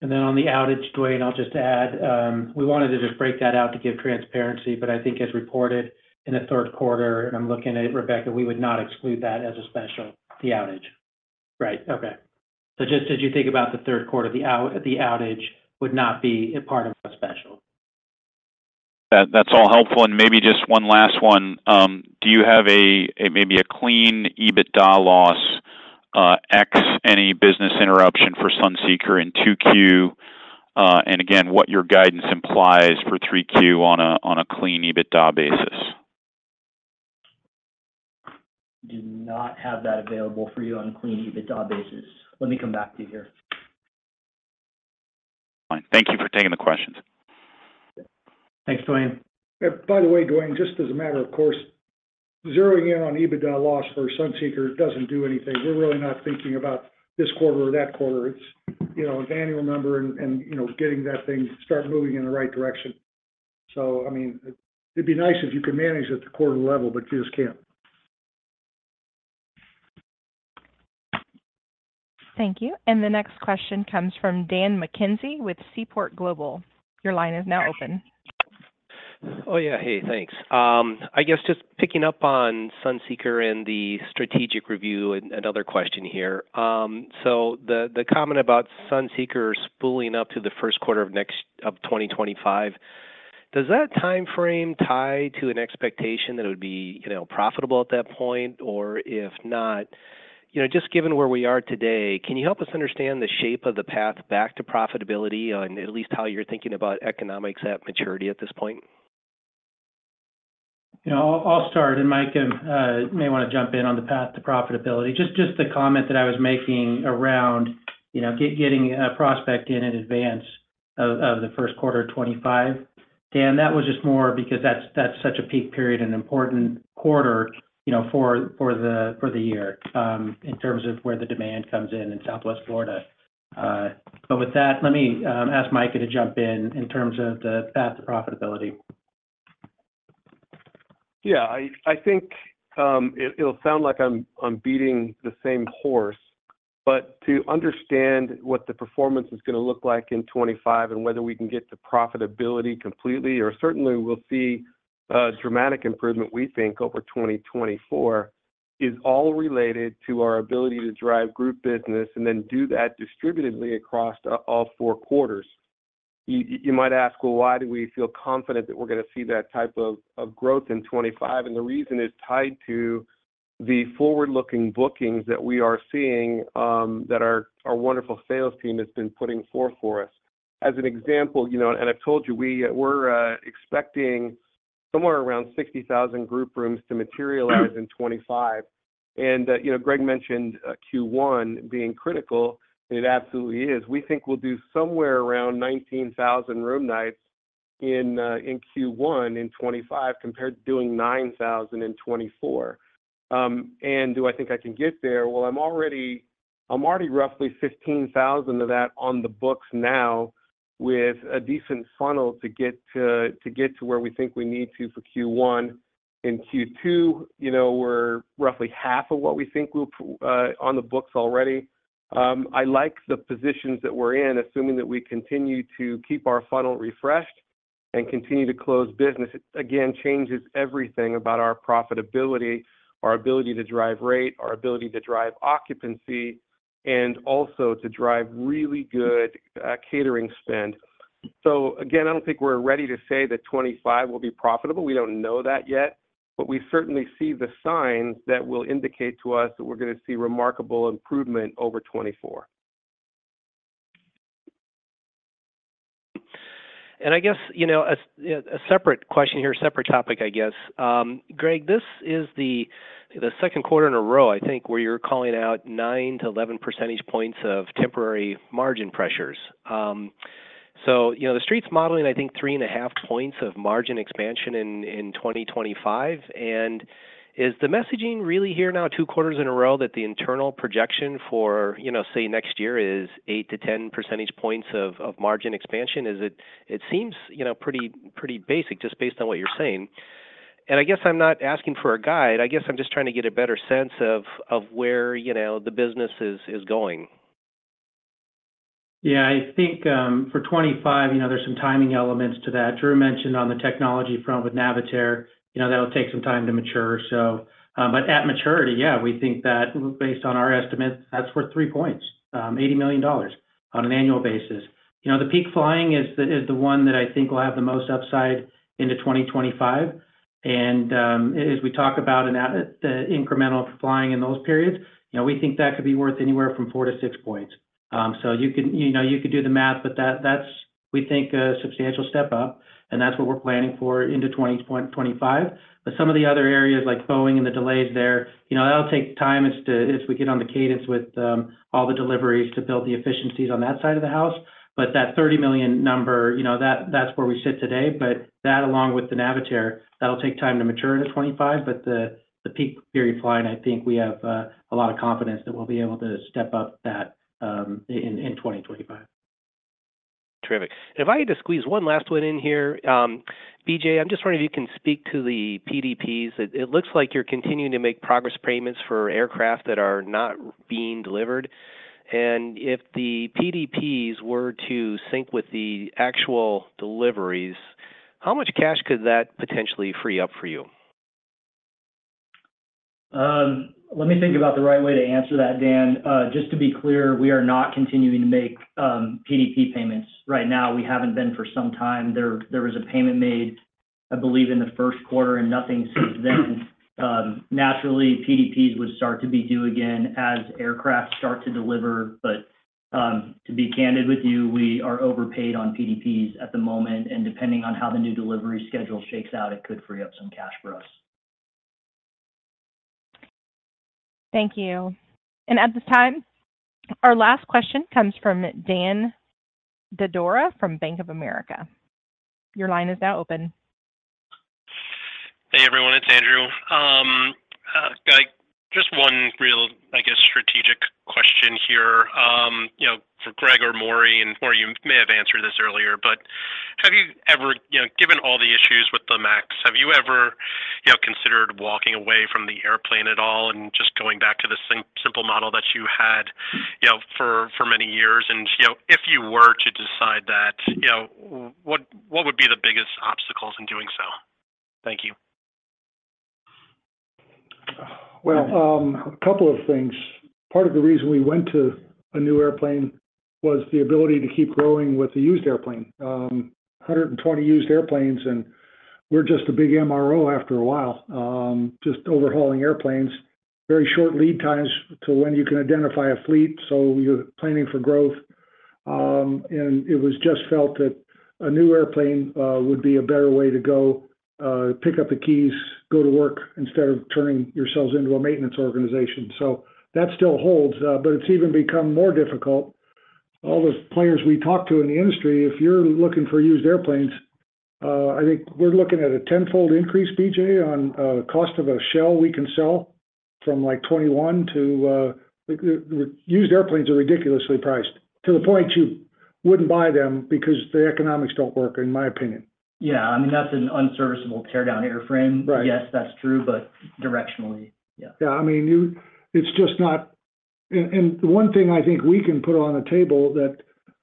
And then on the outage, Duane, I'll just add, we wanted to just break that out to give transparency, but I think as reported in the third quarter, and I'm looking at it, Rebecca, we would not exclude that as a special, the outage. Right. Okay. Just as you think about the third quarter, the outage would not be a part of a special. That's all helpful. Maybe just one last one. Do you have maybe a clean EBITDA loss less any business interruption for Sunseeker in 2Q? Again, what your guidance implies for 3Q on a clean EBITDA basis? Do not have that available for you on a clean EBITDA basis. Let me come back to you here. Fine. Thank you for taking the questions. Thanks, Duane. By the way, Duane, just as a matter of course, zeroing in on EBITDA loss for Sunseeker doesn't do anything. We're really not thinking about this quarter or that quarter. It's an annual number and getting that thing start moving in the right direction. So I mean, it'd be nice if you could manage at the quarter level, but you just can't. Thank you. The next question comes from Daniel McKenzie with Seaport Global. Your line is now open. Oh, yeah. Hey, thanks. I guess just picking up on Sunseeker and the strategic review, another question here. So the comment about Sunseeker spooling up to the first quarter of 2025, does that timeframe tie to an expectation that it would be profitable at that point? Or if not, just given where we are today, can you help us understand the shape of the path back to profitability on at least how you're thinking about economics at maturity at this point? I'll start, and Mike may want to jump in on the path to profitability. Just the comment that I was making around getting Prospect in advance of the first quarter of 2025. Andrew, that was just more because that's such a peak period and important quarter for the year in terms of where the demand comes in in Southwest Florida. But with that, let me ask Mike to jump in in terms of the path to profitability. Yeah. I think it'll sound like I'm beating the same horse, but to understand what the performance is going to look like in 2025 and whether we can get to profitability completely or certainly we'll see a dramatic improvement, we think, over 2024 is all related to our ability to drive group business and then do that distributedly across all four quarters. You might ask, well, why do we feel confident that we're going to see that type of growth in 2025? And the reason is tied to the forward-looking bookings that we are seeing that our wonderful sales team has been putting forth for us. As an example, and I've told you, we're expecting somewhere around 60,000 group rooms to materialize in 2025. And Greg mentioned Q1 being critical, and it absolutely is. We think we'll do somewhere around 19,000 room nights in Q1 in 2025 compared to doing 9,000 in 2024. And do I think I can get there? Well, I'm already roughly 15,000 of that on the books now with a decent funnel to get to where we think we need to for Q1. In Q2, we're roughly half of what we think we'll be on the books already. I like the positions that we're in, assuming that we continue to keep our funnel refreshed and continue to close business. Again, changes everything about our profitability, our ability to drive rate, our ability to drive occupancy, and also to drive really good catering spend. So again, I don't think we're ready to say that 2025 will be profitable. We don't know that yet. But we certainly see the signs that will indicate to us that we're going to see remarkable improvement over 2024. And I guess a separate question here, a separate topic, I guess. Greg, this is the second quarter in a row, I think, where you're calling out 9-11 percentage points of temporary margin pressures. So the street's modeling, I think, 3.5 points of margin expansion in 2025. And is the messaging really here now two quarters in a row that the internal projection for, say, next year is 8-10 percentage points of margin expansion? It seems pretty basic just based on what you're saying. And I guess I'm not asking for a guide. I guess I'm just trying to get a better sense of where the business is going. Yeah. I think for 2025, there's some timing elements to that. Drew mentioned on the technology front with Navitaire, that'll take some time to mature. But at maturity, yeah, we think that based on our estimates, that's worth 3 points, $80 million on an annual basis. The peak flying is the one that I think will have the most upside into 2025. And as we talk about the incremental flying in those periods, we think that could be worth anywhere from 4-6 points. So you could do the math, but that's, we think, a substantial step up. And that's what we're planning for into 2025. But some of the other areas like Boeing and the delays there, that'll take time as we get on the cadence with all the deliveries to build the efficiencies on that side of the house. But that 30 million number, that's where we sit today. But that, along with the Navitaire, that'll take time to mature into 2025. But the peak period flying, I think we have a lot of confidence that we'll be able to step up that in 2025. Terrific. If I had to squeeze one last one in here, BJ, I'm just wondering if you can speak to the PDPs. It looks like you're continuing to make progress payments for aircraft that are not being delivered. And if the PDPs were to sync with the actual deliveries, how much cash could that potentially free up for you? Let me think about the right way to answer that, Dan. Just to be clear, we are not continuing to make PDP payments right now. We haven't been for some time. There was a payment made, I believe, in the first quarter and nothing since then. Naturally, PDPs would start to be due again as aircraft start to deliver. But to be candid with you, we are overpaid on PDPs at the moment. And depending on how the new delivery schedule shakes out, it could free up some cash for us. Thank you. At this time, our last question comes from Andrew Didora from Bank of America. Your line is now open. Hey, everyone. It's Andrew. Just one real, I guess, strategic question here for Greg or Maury. And Maury, you may have answered this earlier, but have you ever, given all the issues with the MAX, have you ever considered walking away from the airplane at all and just going back to the simple model that you had for many years? If you were to decide that, what would be the biggest obstacles in doing so? Thank you. Well, a couple of things. Part of the reason we went to a new airplane was the ability to keep growing with a used airplane. 120 used airplanes, and we're just a big MRO after a while, just overhauling airplanes, very short lead times to when you can identify a fleet. So you're planning for growth. And it was just felt that a new airplane would be a better way to go, pick up the keys, go to work instead of turning yourselves into a maintenance organization. So that still holds, but it's even become more difficult. All the players we talk to in the industry, if you're looking for used airplanes, I think we're looking at a tenfold increase, BJ, on the cost of a shell we can sell from like $21 to used airplanes are ridiculously priced to the point you wouldn't buy them because the economics don't work, in my opinion. Yeah. I mean, that's an unserviceable tear-down airframe. Yes, that's true, but directionally, yeah. Yeah. I mean, it's just not. And the one thing I think we can put on the table that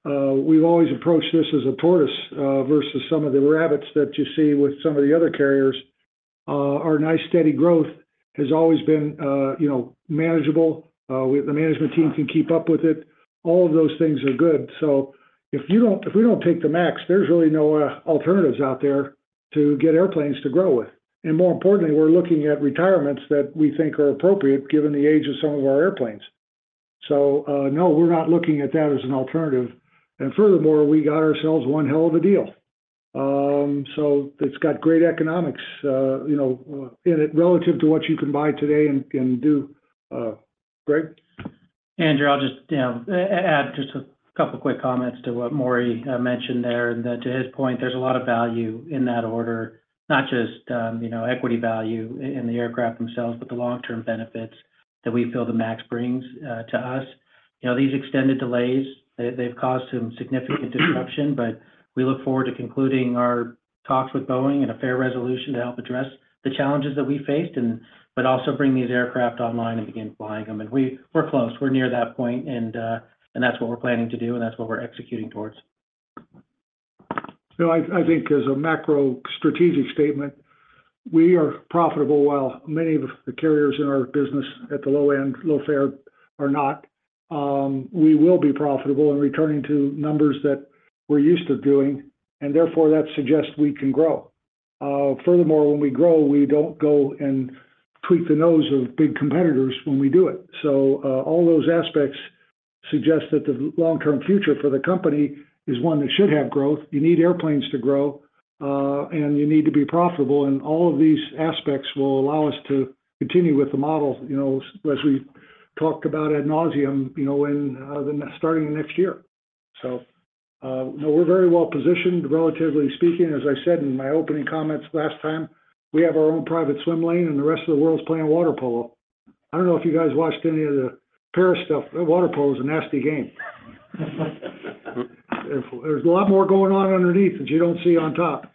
we've always approached this as a tortoise versus some of the rabbits that you see with some of the other carriers are nice, steady growth has always been manageable. The management team can keep up with it. All of those things are good. So if we don't take the MAX, there's really no alternatives out there to get airplanes to grow with. And more importantly, we're looking at retirements that we think are appropriate given the age of some of our airplanes. So no, we're not looking at that as an alternative. And furthermore, we got ourselves one hell of a deal. So it's got great economics in it relative to what you can buy today and do. Greg? Andrew, I'll just add just a couple of quick comments to what Maury mentioned there. To his point, there's a lot of value in that order, not just equity value in the aircraft themselves, but the long-term benefits that we feel the MAX brings to us. These extended delays, they've caused some significant disruption, but we look forward to concluding our talks with Boeing and a fair resolution to help address the challenges that we faced, but also bring these aircraft online and begin flying them. We're close. We're near that point. That's what we're planning to do, and that's what we're executing towards. So I think as a macro strategic statement, we are profitable while many of the carriers in our business at the low end, low fare are not. We will be profitable in returning to numbers that we're used to doing. And therefore, that suggests we can grow. Furthermore, when we grow, we don't go and tweak the nose of big competitors when we do it. So all those aspects suggest that the long-term future for the company is one that should have growth. You need airplanes to grow, and you need to be profitable. And all of these aspects will allow us to continue with the model as we talked about ad nauseam starting next year. So we're very well positioned, relatively speaking. As I said in my opening comments last time, we have our own private swim lane, and the rest of the world's playing water polo. I don't know if you guys watched any of the Paris stuff. Water polo is a nasty game. There's a lot more going on underneath that you don't see on top.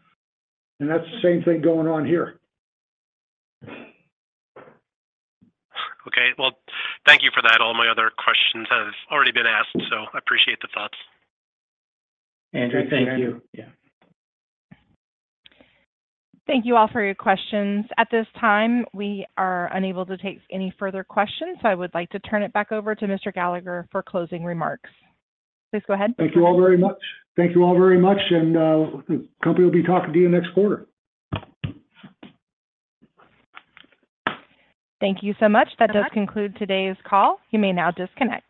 And that's the same thing going on here. Okay. Well, thank you for that. All my other questions have already been asked, so I appreciate the thoughts. Andrew, thank you. Yeah. Thank you all for your questions. At this time, we are unable to take any further questions. I would like to turn it back over to Mr. Gallagher for closing remarks. Please go ahead. Thank you all very much. Thank you all very much. The company will be talking to you next quarter. Thank you so much. That does conclude today's call. You may now disconnect.